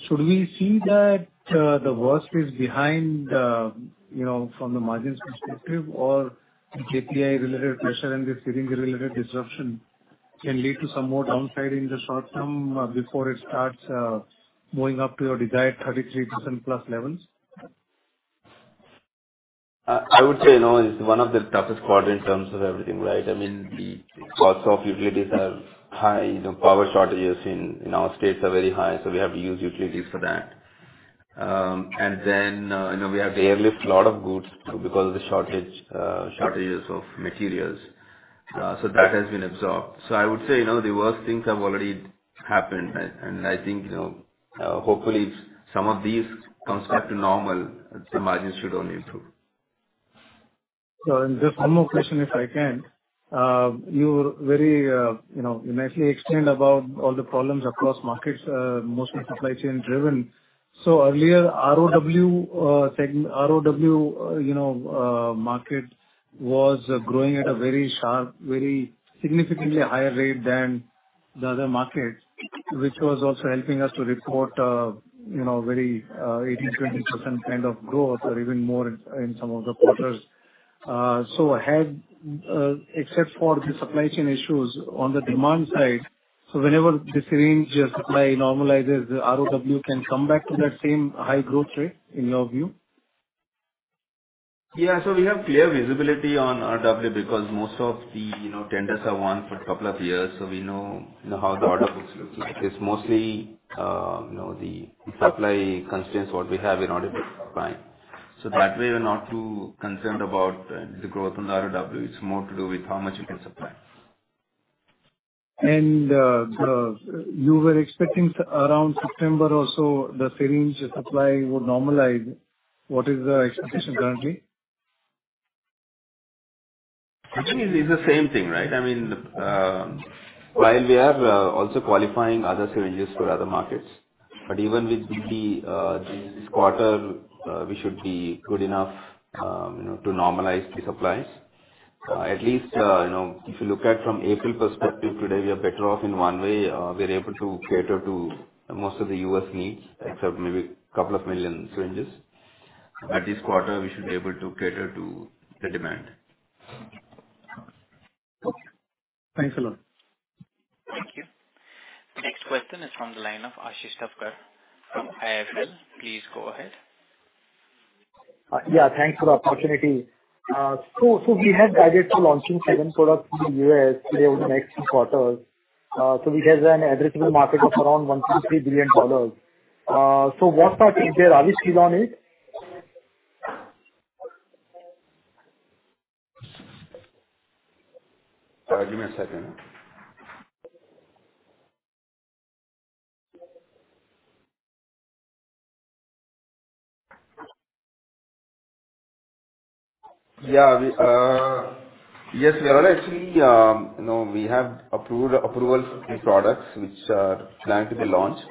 Speaker 12: Should we see that the worst is behind, you know, from the margins perspective or API-related pressure and the syringe-related disruption can lead to some more downside in the short term, before it starts going up to your desired 33%+ levels?
Speaker 3: I would say, you know, it's one of the toughest quarter in terms of everything, right? I mean, the costs of utilities are high. You know, power shortages in our states are very high, so we have to use utilities for that. You know, we have to airlift lot of goods because of the shortages of materials. That has been absorbed. I would say, you know, the worst things have already happened. I think, you know, hopefully if some of these comes back to normal, the margins should only improve.
Speaker 12: Just one more question, if I can. You very, you know, nicely explained about all the problems across markets, mostly supply chain driven. Earlier, ROW, you know, market was growing at a very sharp, very significantly higher rate than the other markets, which was also helping us to report, you know, very, 18%-20% kind of growth or even more in some of the quarters. Had, except for the supply chain issues on the demand side, whenever the syringe supply normalizes, the ROW can come back to that same high growth rate in your view?
Speaker 3: We have clear visibility on ROW because most of the tenders are won for couple of years. We know how the order books look like. It's mostly the supply constraints, what we have in order to supply. That way we're not too concerned about the growth in ROW. It's more to do with how much you can supply.
Speaker 12: You were expecting around September or so the syringe supply would normalize. What is the expectation currently?
Speaker 3: Actually, it's the same thing, right? I mean, while we are also qualifying other syringes for other markets, but even with BD, this quarter, we should be good enough, you know, to normalize the supplies. At least, you know, if you look at from April perspective, today we are better off in one way. We are able to cater to most of the U.S. needs, except maybe couple of million syringes. By this quarter, we should be able to cater to the demand.
Speaker 12: Okay. Thanks a lot.
Speaker 1: Thank you. Next question is from the line of Ashish Thakkar from IIFL. Please go ahead.
Speaker 13: Yeah, thanks for the opportunity. We had guided to launching seven products in the U.S. within the next few quarters. We have an addressable market of around $1 billion-$3 billion. What's our take there? Are we still on it?
Speaker 3: Give me a second. Yeah. Yes, we are actually, you know, we have approval for three products which are planning to be launched.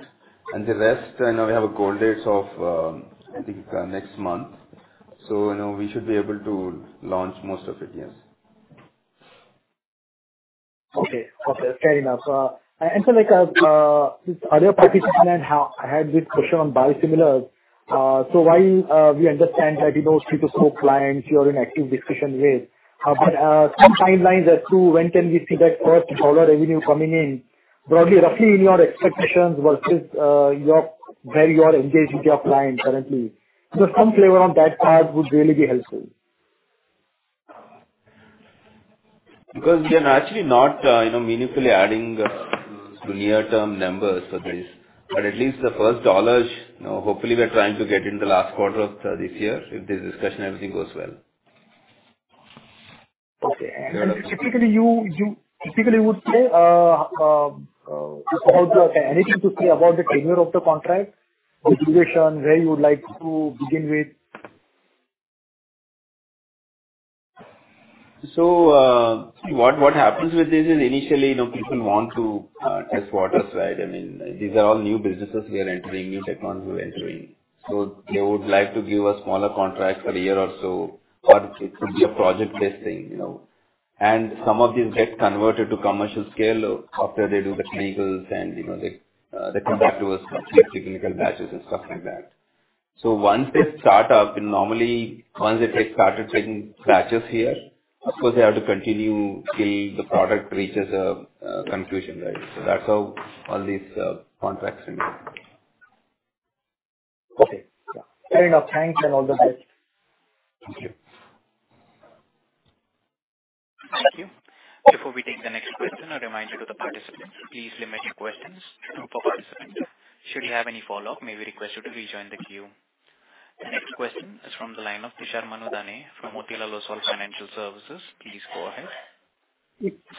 Speaker 3: The rest, you know, we have goal dates of, I think next month, so, you know, we should be able to launch most of it, yes.
Speaker 13: Okay. Okay, fair enough. Like, other participant had this question on biosimilars. While we understand that, you know, three to four clients you're in active discussions with, but some timelines as to when can we see that first dollar revenue coming in. Broadly, roughly, in your expectations versus where you are engaged with your clients currently. Some flavor on that part would really be helpful.
Speaker 3: Because we are actually not, you know, meaningfully adding to near-term numbers for this. At least the first dollars, you know, hopefully we are trying to get in the last quarter of this year if this discussion, everything goes well.
Speaker 13: Okay. Anything to say about the tenure of the contract, the duration? Where you would like to begin with?
Speaker 3: What happens with this is initially, you know, people want to test waters, right? I mean, these are all new businesses we are entering, new tech cons we're entering. They would like to give a smaller contract for a year or so, or it could be a project-based thing, you know. Some of these get converted to commercial scale after they do the clinicals and, you know, they come back to us for technical batches and stuff like that. Once they start up, and normally once they started taking batches here, of course they have to continue till the product reaches a conclusion, right? That's how all these contracts remain.
Speaker 13: Okay. Fair enough. Thanks, and all the best.
Speaker 3: Thank you.
Speaker 1: Thank you. Before we take the next question, a reminder to the participants, please limit your questions to two per participant. Should you have any follow-up, may we request you to rejoin the queue. The next question is from the line of Tushar Manudhane from Motilal Oswal Financial Services. Please go ahead.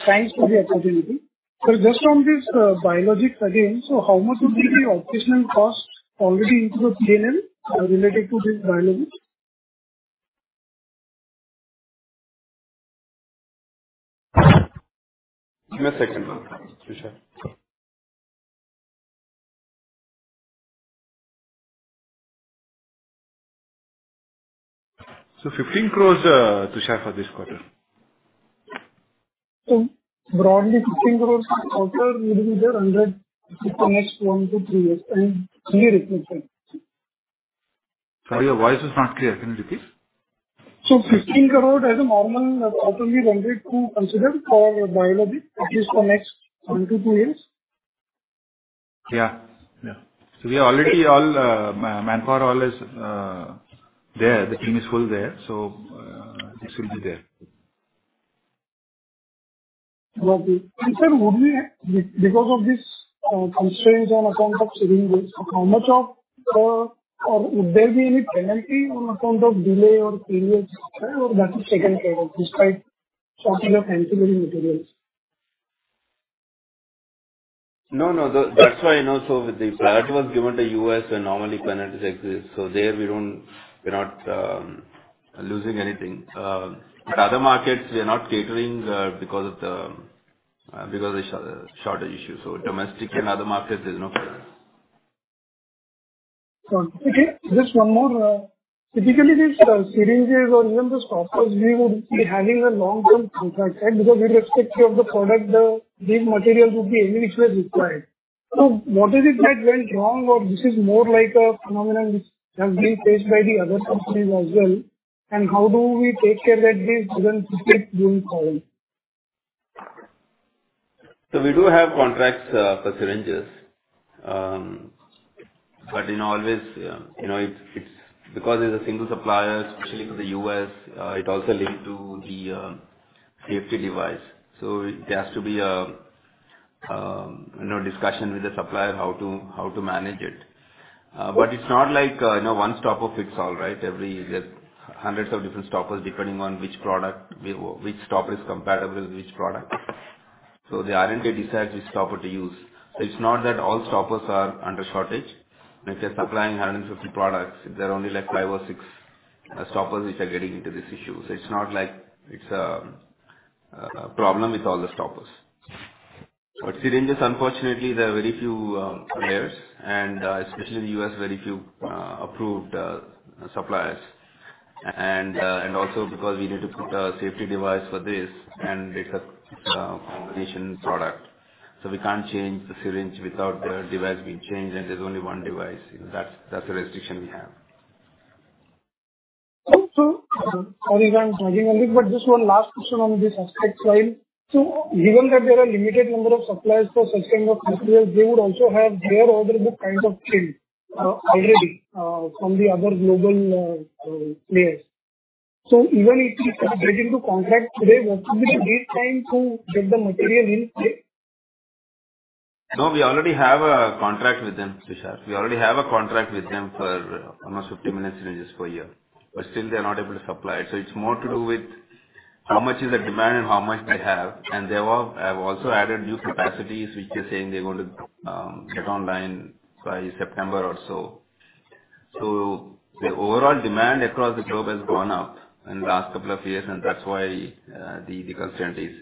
Speaker 14: Thanks for the opportunity. Just on this, biologics again. How much would be the operational cost already into the P&L, related to this biologics?
Speaker 3: Give me a second, Tushar. 15 crores, Tushar, for this quarter.
Speaker 14: Broadly 15 crore next 1 years-3 years and yearly.
Speaker 3: Sorry, your voice is not clear. Can you repeat?
Speaker 14: 15 crore as a normal quarterly run rate to consider for biologics at least for next 1 years-2 years.
Speaker 3: Yeah. We are already all manpower all is there. The team is full there. This will be there.
Speaker 14: Copy. Sir, because of this constraints on account of syringes or would there be any penalty on account of delay or periods or that is taken care of despite shortage of ancillary materials?
Speaker 3: No, no. That's why, you know, that was given to U.S. where normally penalties exist. There we're not losing anything. But other markets we are not catering because of the shortage issue. Domestic and other markets there's no penalty.
Speaker 14: Okay. Just one more. Typically these, syringes or even the stoppers we would be having a long-term contract, right? Because we're irrespective of the product, these materials would be anyway required. What is it that went wrong or this is more like a phenomenon which has been faced by the other companies as well? How do we take care that this doesn't repeat going forward?
Speaker 3: We do have contracts for syringes. You know, always, you know, it's because it's a single supplier, especially for the U.S. It also linked to the CFT device. There has to be a discussion with the supplier how to manage it. It's not like, you know, one stopper fits all, right? There are hundreds of different stoppers depending on which product. Which stopper is compatible with which product. The R&D decides which stopper to use. It's not that all stoppers are under shortage. Like they're supplying 150 products. There are only like 5 or 6 stoppers which are getting into this issue. It's not like it's a problem with all the stoppers. Syringes, unfortunately, there are very few players and, especially in the U.S, very few approved suppliers. Because we need to put a safety device for this and it's a combination product, we can't change the syringe without the device being changed, and there's only one device. That's the restriction we have.
Speaker 14: Sorry if I'm hogging a bit, but just one last question on this aspect slide. Given that there are limited number of suppliers for such kind of materials, they would also have their order book kind of filled already from the other global players. Even if we get into contract today, would we need time to get the material in play?
Speaker 3: No, we already have a contract with them, Tushar. We already have a contract with them for almost 50 million syringes per year, but still they're not able to supply. It's more to do with how much is the demand and how much they have. They have also added new capacities which they're saying they're going to get online by September or so. The overall demand across the globe has gone up in the last couple of years, and that's why the constraint is.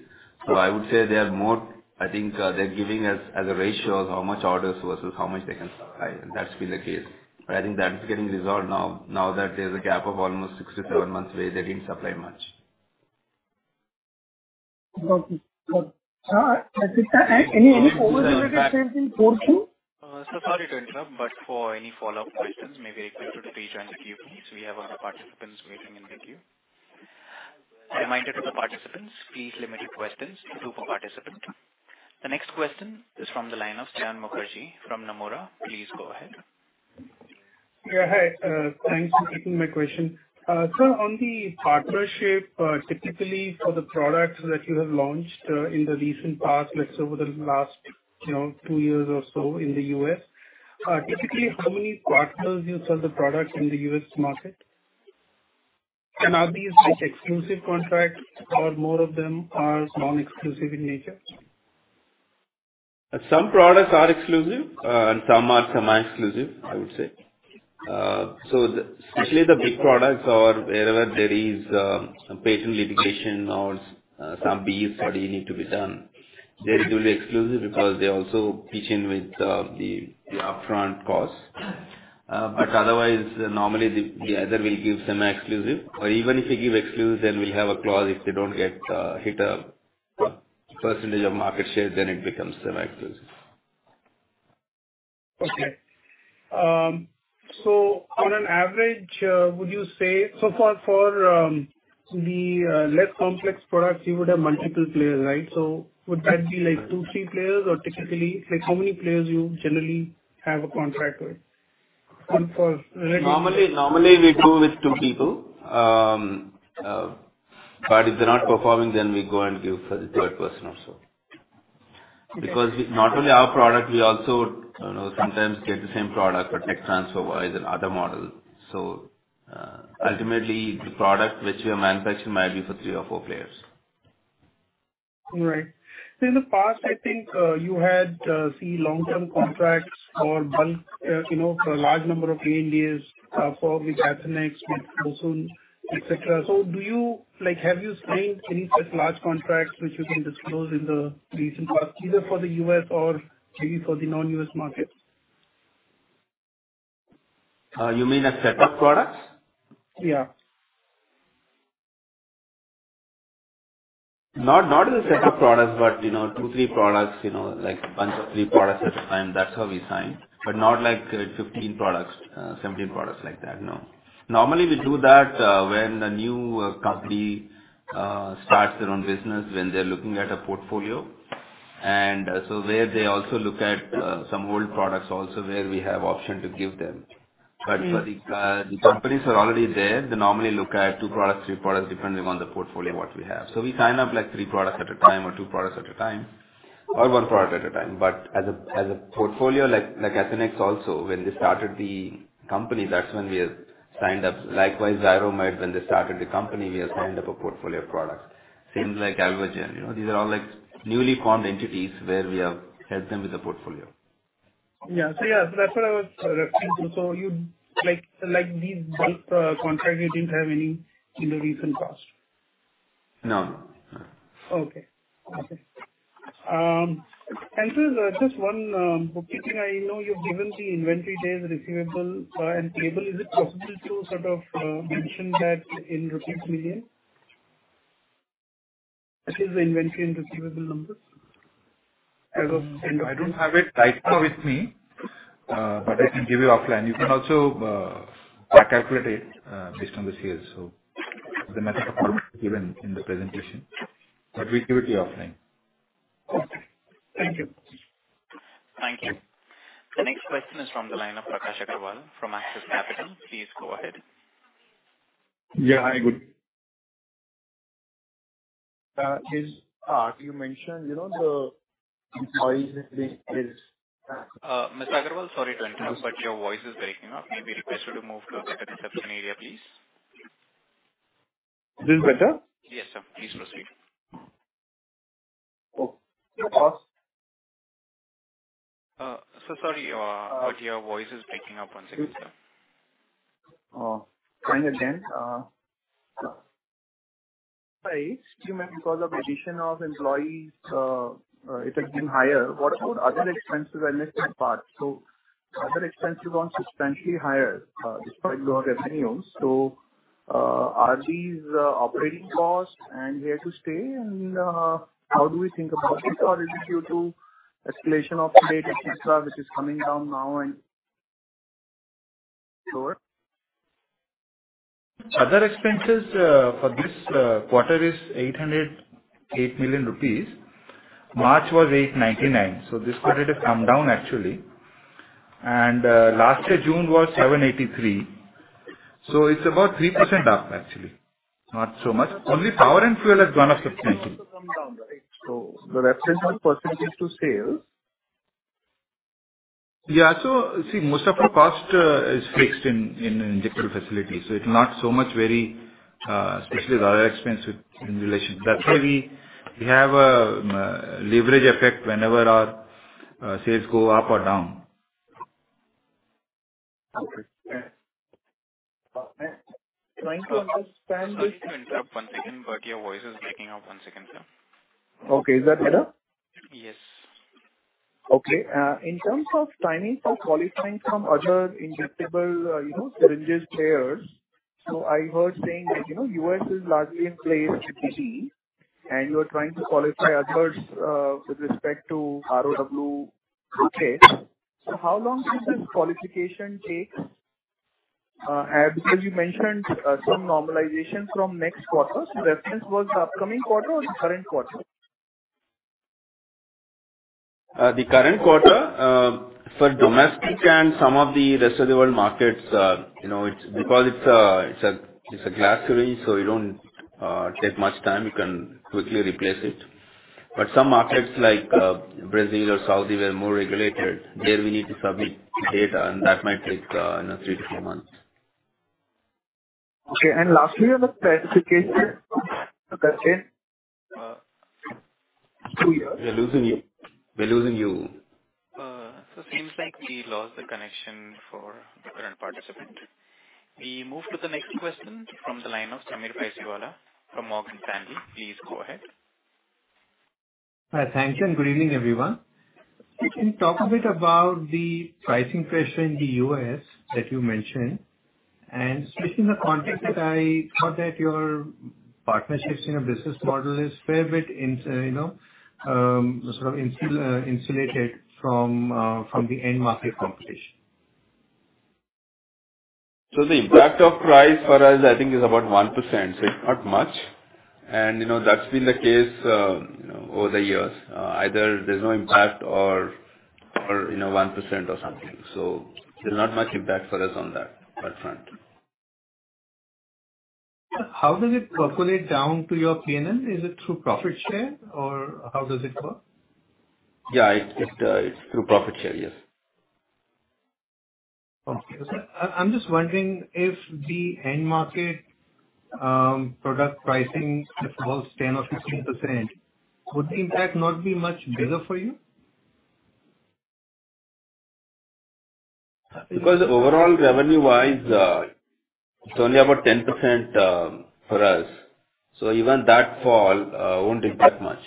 Speaker 3: I would say they are more. I think they're giving us as a ratio of how much orders versus how much they can supply. That's been the case. I think that is getting resolved now that there's a gap of almost 6 months-7 months where they didn't supply much.
Speaker 14: Okay. Got it. Shashikant, any forward-looking trends in FY 2022?
Speaker 1: Sorry to interrupt, but for any follow-up questions, maybe I request you to please join the queue, please. We have other participants waiting in the queue. A reminder to the participants, please limit your questions to two per participant. The next question is from the line of Saion Mukherjee from Nomura. Please go ahead.
Speaker 15: Yeah, hi. Thanks for taking my question. Sir, on the partnership, typically for the products that you have launched, in the recent past, let's say over the last, you know, two years or so in the U.S, typically how many partners you sell the product in the U.S. market? And are these like exclusive contracts or more of them are non-exclusive in nature?
Speaker 3: Some products are exclusive, and some are semi-exclusive, I would say. Especially the big products or wherever there is patent litigation or some BE study need to be done, they're usually exclusive because they also pitch in with the upfront costs. Otherwise, normally the other will give semi-exclusive. Even if they give exclusive, we'll have a clause if they don't hit a percentage of market share, then it becomes semi-exclusive.
Speaker 15: Okay. On average, would you say? For the less complex products you would have multiple players, right? Would that be like two, three players? Or typically, like how many players you generally have a contract with? For regular-
Speaker 3: Normally we go with two people. If they're not performing, then we go and give for the third person also.
Speaker 15: Okay.
Speaker 3: Not only our product, we also, you know, sometimes get the same product for tech transfer or as other model. Ultimately the product which we are manufacturing might be for three or four players.
Speaker 15: Right. In the past, I think, you had long-term contracts or bulk, you know, for large number of ANDAs with Athenex, with Fosun, et cetera. Do you—like, have you signed any such large contracts which you can disclose in the recent past, either for the U.S. or maybe for the non-U.S. markets?
Speaker 3: You mean like set of products?
Speaker 15: Yeah.
Speaker 3: Not as a set of products, but you know, two, three products, you know, like bunch of three products at a time. That's how we sign. But not like 15 products, 17 products like that. No. Normally we do that when a new company starts their own business, when they're looking at a portfolio. Where they also look at some old products also where we have option to give them. For the companies who are already there, they normally look at two products, three products, depending on the portfolio what we have. We sign up like three products at a time or two products at a time or one product at a time. As a portfolio like Athenex also when they started the company, that's when we have signed up. Likewise, Xiromed, when they started the company, we have signed up a portfolio of products. Same like Alvogen. You know, these are all like newly formed entities where we have helped them with the portfolio.
Speaker 15: Yeah. Yeah, that's what I was referring to. You'd like these bulk contracts, you didn't have any in the recent past?
Speaker 3: No. No.
Speaker 15: Okay. Sir, just one bookkeeping. I know you've given the inventory days receivable and payable. Is it possible to sort of mention that in rupees million? That is the inventory and receivable numbers.
Speaker 3: I don't have it right now with me. I can give you offline. You can also calculate it based on the sales. The method of calculation is given in the presentation, but we give it to you offline.
Speaker 15: Okay. Thank you.
Speaker 1: Thank you. The next question is from the line of Prakash Agarwal from Axis Capital. Please go ahead.
Speaker 16: You mentioned, you know, the employees being raised.
Speaker 1: Mr. Agarwal, sorry to interrupt, but your voice is breaking up. May we request you to move to a better reception area, please?
Speaker 16: Is this better?
Speaker 1: Yes, sir. Please proceed.
Speaker 16: Oh.
Speaker 1: Sorry, but your voice is breaking up. One second, sir.
Speaker 16: You meant because of addition of employees, it had been higher. What about other expenses impairment? Other expenses went substantially higher, despite lower revenues. Are these operating costs here to stay and how do we think about it? Or is it due to escalation of duties which is coming down now and lower?
Speaker 4: Other expenses for this quarter is 808 million rupees. March was 899 million, so this quarter has come down actually. Last year June was 783 million. It's about 3% up actually. Not so much. Only power and fuel has gone up substantially.
Speaker 16: Also come down, right? The represented percentage to sales.
Speaker 4: Most of the cost is fixed in injectable facilities. It's not so variable, especially with other expenses in relation. That's why we have a leverage effect whenever our sales go up or down.
Speaker 16: Okay. Trying to understand this.
Speaker 1: Sorry to interrupt. One second, but your voice is breaking up. One second, sir.
Speaker 16: Okay. Is that better?
Speaker 1: Yes.
Speaker 16: Okay. In terms of timing for qualifying from other injectable, you know, syringes players. I heard saying that, you know, U.S. is largely in play with BD, and you're trying to qualify others, with respect to ROW case. How long should this qualification take? Because you mentioned, some normalization from next quarter. Reference was upcoming quarter or the current quarter?
Speaker 4: The current quarter, for domestic and some of the rest of the world markets, you know, it's because it's a glass syringe, so you don't take much time. You can quickly replace it. Some markets like Brazil or Saudi were more regulated. There we need to submit data, and that might take, you know, 3 months-4 months.
Speaker 16: Okay. Lastly, on the specification.
Speaker 3: We're losing you.
Speaker 1: Seems like we lost the connection for the current participant. We move to the next question from the line of Sameer Baisiwala from Morgan Stanley. Please go ahead.
Speaker 17: Thank you and greetings everyone. Can you talk a bit about the pricing pressure in the U.S. that you mentioned, and specifically in the context that I thought that your partnerships in your business model is a fair bit insulated from the end market competition.
Speaker 4: The impact of price for us I think is about 1%, so it's not much. You know, that's been the case, you know, over the years. Either there's no impact or, you know, 1% or something. There's not much impact for us on that front.
Speaker 17: How does it percolate down to your P&L? Is it through profit share or how does it work?
Speaker 4: Yeah, it's through profit share. Yes.
Speaker 17: Okay. I'm just wondering if the end market product pricing involves 10% or 15%, would the impact not be much bigger for you?
Speaker 3: Because overall revenue-wise, it's only about 10%, for us. Even that fall won't impact much.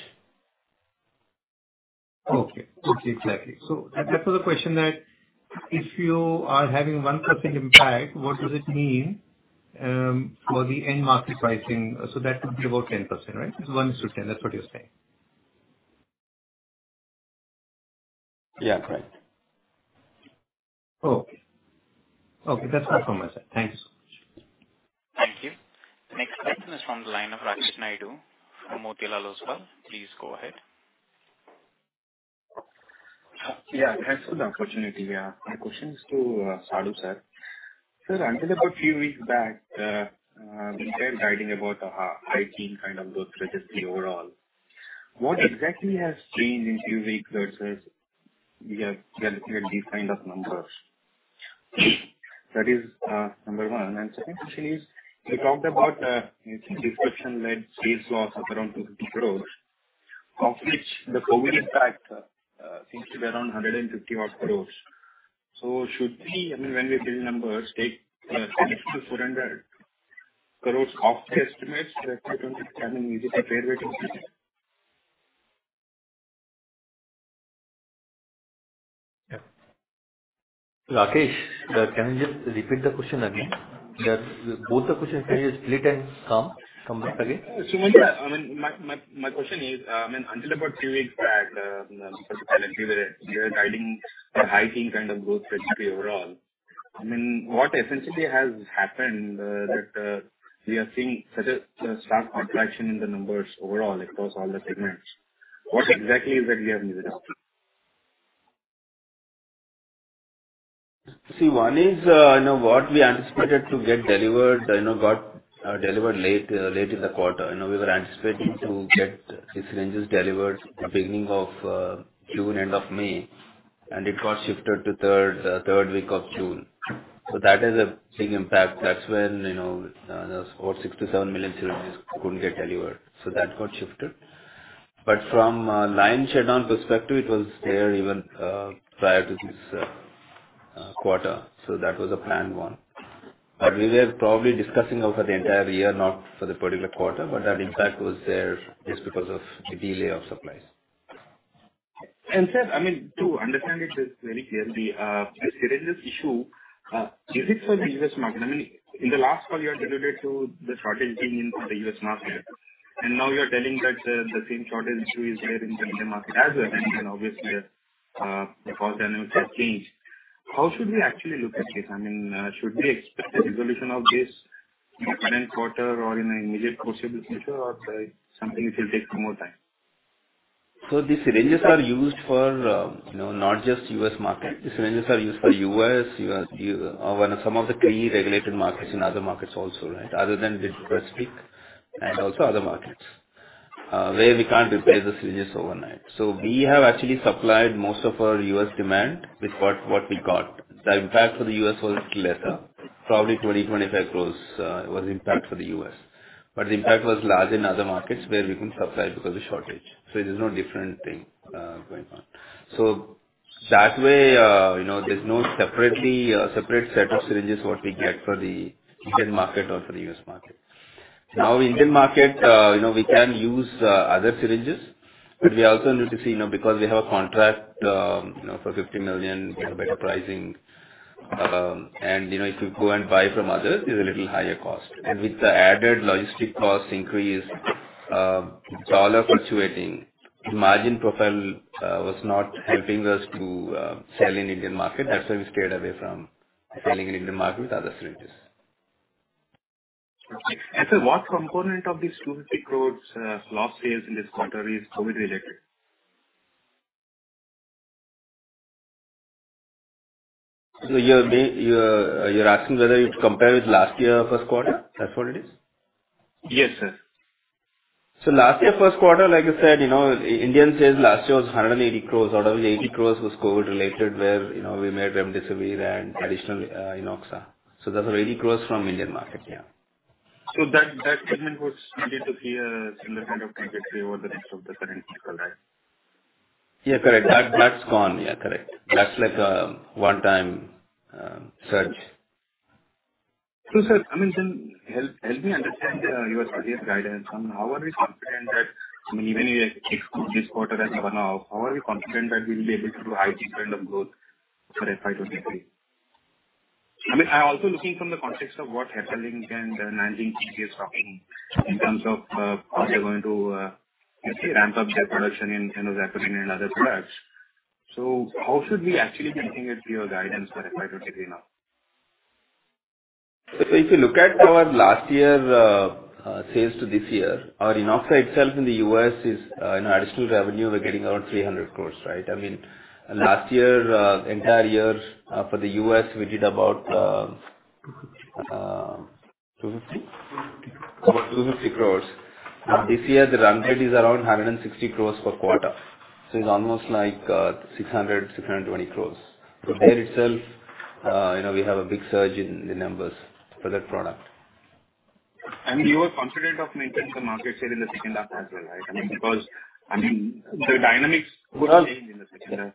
Speaker 17: Okay. Exactly. That was the question that if you are having 1% impact, what does it mean for the end market pricing? That would be about 10%, right? 1%-10%. That's what you're saying.
Speaker 3: Yeah. Correct.
Speaker 17: Okay. Okay. That's all from my side. Thank you so much.
Speaker 1: Thank you. Next question is from the line of Rakesh Nayudu from Motilal Oswal. Please go ahead.
Speaker 18: Thanks for the opportunity. My question is to Srinivas Sadu, sir. Sir, until about a few weeks back, you were guiding about a high-teens kind of growth trajectory overall. What exactly has changed in a few weeks that says we are getting these kind of numbers? That is number one. Second question is, you talked about you think disruption-led sales loss of around 250 crores, of which the COVID impact seems to be around 150 crores. So should we, I mean, when we build numbers, take 100- 400 crores off the estimates that you don't have an easy comp year to see that?
Speaker 3: Yeah. Rakesh, can I just repeat the question again? Both the questions. Can you just split and come back again?
Speaker 18: Sure. I mean, my question is, I mean, until about three weeks back, if I recall correctly, where you were guiding a high-teen kind of growth trajectory overall. I mean, what essentially has happened, that we are seeing such a sharp contraction in the numbers overall across all the segments. What exactly is that we are missing out?
Speaker 3: See, one is, you know, what we anticipated to get delivered, you know, got delivered late in the quarter. You know, we were anticipating to get syringes delivered beginning of June, end of May. It got shifted to third week of June. That is a big impact. That's when, you know, those 4 million, 6million-7 million syringes couldn't get delivered, so that got shifted. From a line shutdown perspective, it was there even prior to this quarter. That was a planned one. We were probably discussing over the entire year, not for the particular quarter, but that impact was there just because of the delay of supplies.
Speaker 18: Sir, I mean, to understand it just very clearly, this syringes issue, is it for the U.S. market? I mean, in the last call you had alluded to the shortage being in for the U.S. market. Now you're telling that, the same shortage issue is there in the Indian market as well. I mean, obviously, the cost dynamics have changed. How should we actually look at this? I mean, should we expect a resolution of this in the current quarter or in the immediate foreseeable future, or it's something which will take more time?
Speaker 3: These syringes are used for, you know, not just U.S. market. These syringes are used for U.S. when some of the pre-regulated markets in other markets also, right? Other than the specific and also other markets where we can't replace the syringes overnight. We have actually supplied most of our U.S. demand with what we got. The impact for the U.S. was little lesser. Probably 20 crores-25 crore was impact for the U.S. The impact was large in other markets where we couldn't supply because of shortage. There's no different thing going on. That way, you know, there's no separate set of syringes what we get for the Indian market or for the U.S. market. Now, Indian market, you know, we can use other syringes, but we also need to see, you know, because we have a contract, you know, for 50 million crores, you know, better pricing. You know, if you go and buy from others, there's a little higher cost. With the added logistic cost increase, dollar fluctuating, the margin profile was not helping us to sell in Indian market. That's why we stayed away from selling in Indian market with other syringes.
Speaker 18: Sir, what component of these 250 crore lost sales in this quarter is COVID-related?
Speaker 3: You're asking whether you compare with last year first quarter? That's what it is.
Speaker 18: Yes, sir.
Speaker 3: Last year first quarter, like I said, you know, Indian sales last year was 180 crore. Out of which 80 crore was COVID-related, where, you know, we made remdesivir and additional enoxaparin. That was 80 crore from Indian market, yeah.
Speaker 18: That segment was needed to see a similar kind of trajectory over the rest of the current fiscal year?
Speaker 3: Yeah, correct. That's gone. Yeah, correct. That's like a one-time surge.
Speaker 18: Sir, I mean, then help me understand your previous guidance. I mean, how are we confident that, I mean, even if we exclude this quarter as one-off, how are we confident that we will be able to do high-teen kind of growth for FY 2023? I mean, I'm also looking from the context of what Hepalink and Nanjing Pharmaceutical Factory is talking in terms of how they're going to, let's say, ramp up their production in enoxaparin and other products. How should we actually be looking at your guidance for FY 2023 now?
Speaker 3: If you look at our last year sales to this year, our Enoxaparin itself in the US is, you know, additional revenue, we're getting around 300 crores, right? I mean, last year entire year for the US, we did about 250 crores?
Speaker 4: About 250 crores. This year the run rate is around 160 crores per quarter. It's almost like 620 crores. There itself, you know, we have a big surge in the numbers for that product.
Speaker 18: You are confident of maintaining the market share in the second half as well, right? I mean, because, I mean, the dynamics could change in the second half.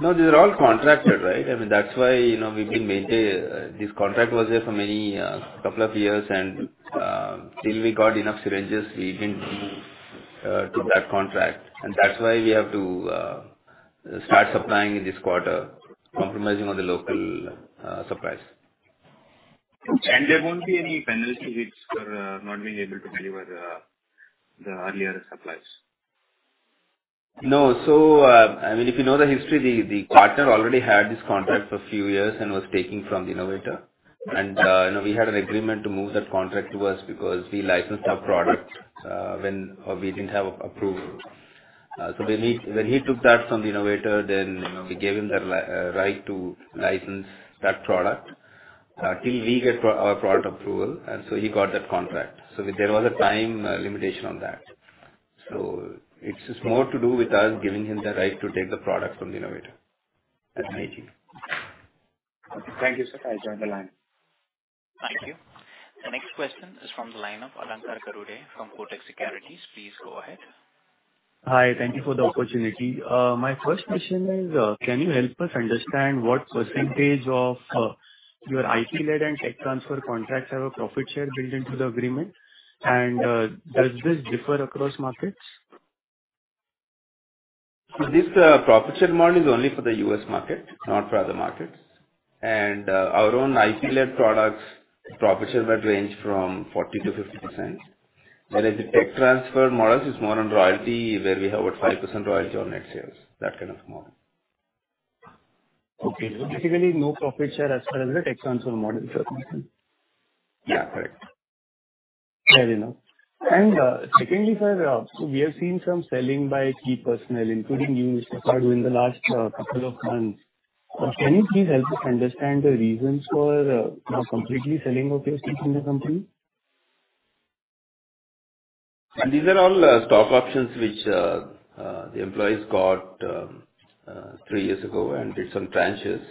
Speaker 3: No, these are all contracted, right? I mean, that's why, you know, we've been maintaining. This contract was there for a couple of years and till we got enough syringes, we've been tied to that contract. That's why we have to start supplying in this quarter, compromising on the local supplies.
Speaker 18: There won't be any penalty for not being able to deliver the earlier supplies.
Speaker 3: No. I mean, if you know the history, the partner already had this contract for few years and was taking from the innovator. You know, we had an agreement to move that contract to us because we licensed our product when we didn't have approval. When he took that from the innovator, then we gave him the right to license that product till we get our product approval. He got that contract. There was a time limitation on that. It's just more to do with us giving him the right to take the product from the innovator. That's my view.
Speaker 18: Okay. Thank you, sir. I join the line.
Speaker 1: Thank you. The next question is from the line of Alankar Garude from Kotak Securities. Please go ahead.
Speaker 19: Hi. Thank you for the opportunity. My first question is, can you help us understand what percentage of your IP-led and tech transfer contracts have a profit share built into the agreement? Does this differ across markets?
Speaker 3: This profit share model is only for the U.S. market, not for other markets. Our own IP-led products, profit share might range from 40%-50%. Whereas the tech transfer models is more on royalty, where we have a 5% royalty on net sales. That kind of model.
Speaker 19: Okay. Basically no profit share as far as the tech transfer model is concerned.
Speaker 3: Yeah, correct.
Speaker 19: Fair enough. Secondly, sir, so we have seen some selling by key personnel, including you, Srinivas Sadu, during the last couple of months. Can you please help us understand the reasons for now completely selling off your stakes in the company?
Speaker 3: These are all stock options which the employees got three years ago and in some tranches.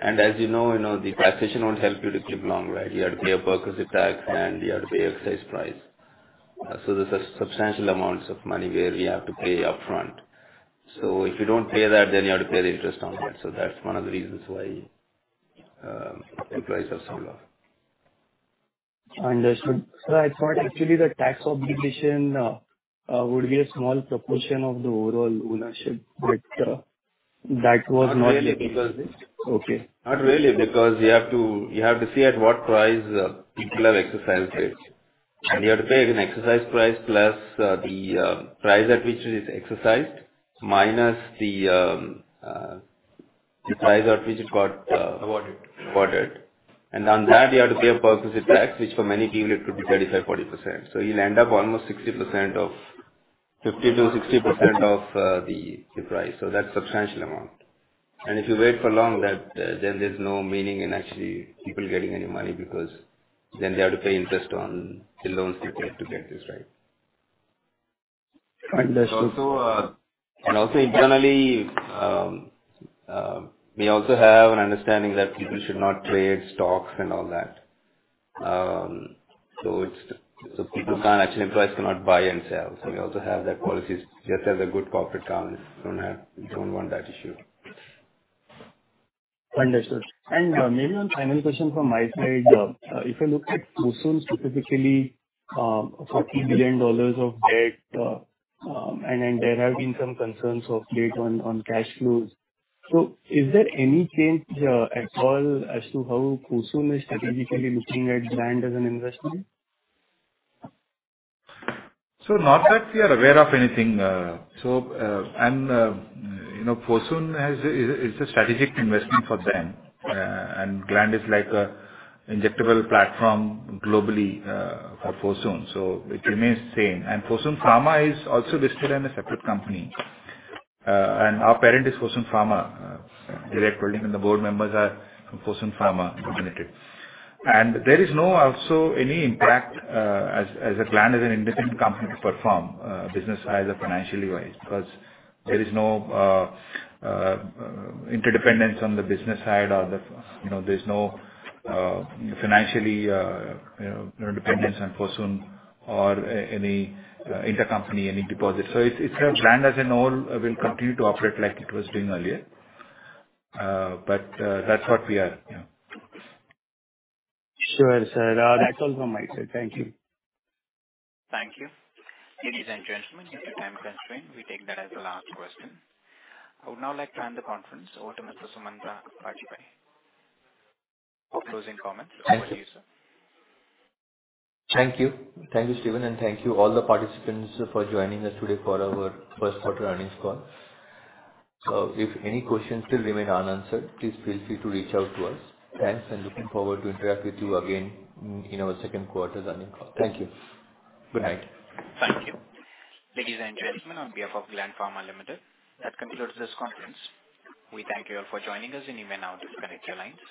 Speaker 3: As you know, the taxation won't help you to keep long, right? You have to pay a perquisite tax and you have to pay exercise price. There's substantial amounts of money where you have to pay upfront. If you don't pay that then you have to pay the interest on that. That's one of the reasons why employees have sold off.
Speaker 19: Understood. I thought actually the tax obligation would be a small proportion of the overall ownership, but that was not okay.
Speaker 3: Not really because you have to see at what price people have exercised it. You have to pay an exercise price plus the price at which it is exercised minus the price at which it got.
Speaker 19: Awarded.
Speaker 3: awarded. On that you have to pay a perquisite tax, which for many people it could be 35%, 40%. You'll end up almost 60% of 50%-60% of the price. That's substantial amount. If you wait for long that, then there's no meaning in actually people getting any money because then they have to pay interest on the loans they take to get this, right?
Speaker 19: Understood.
Speaker 3: Internally, we also have an understanding that people should not trade stocks and all that. People can't actually, employees cannot buy and sell. We also have that policy just as a good corporate governance. We don't want that issue.
Speaker 19: Understood. Maybe one final question from my side. If you look at Fosun specifically, $40 billion of debt, and then there have been some concerns of late on cash flows. Is there any change at all as to how Fosun is strategically looking at Gland as an investment?
Speaker 3: Not that we are aware of anything. You know, Fosun is a strategic investment for them. Gland is like an injectable platform globally for Fosun, it remains same. Fosun Pharma is also listed in a separate company. Our parent is Fosun Pharma. Direct holding and the board members are from Fosun Pharma Limited. There is no also any impact, as Gland is an independent company to perform business either financially wise because there is no interdependence on the business side or the, you know, there's no financially, you know, no dependence on Fosun or any intercompany, any deposits. It's Gland as a whole will continue to operate like it was doing earlier. That's what we are, you know.
Speaker 19: Sure, sir. That's all from my side. Thank you.
Speaker 1: Thank you. Ladies and gentlemen, due to time constraint, we take that as the last question. I would now like to hand the conference over to Mr. Sumanta Bajpayee for closing comments. Over to you, sir.
Speaker 2: Thank you. Thank you, Steven, and thank you all the participants for joining us today for our first quarter earnings call. If any questions still remain unanswered, please feel free to reach out to us. Thanks, and looking forward to interact with you again in our second quarter's earnings call. Thank you. Good night.
Speaker 1: Thank you. Ladies and gentlemen, on behalf of Gland Pharma Limited, that concludes this conference. We thank you all for joining us, and you may now disconnect your lines.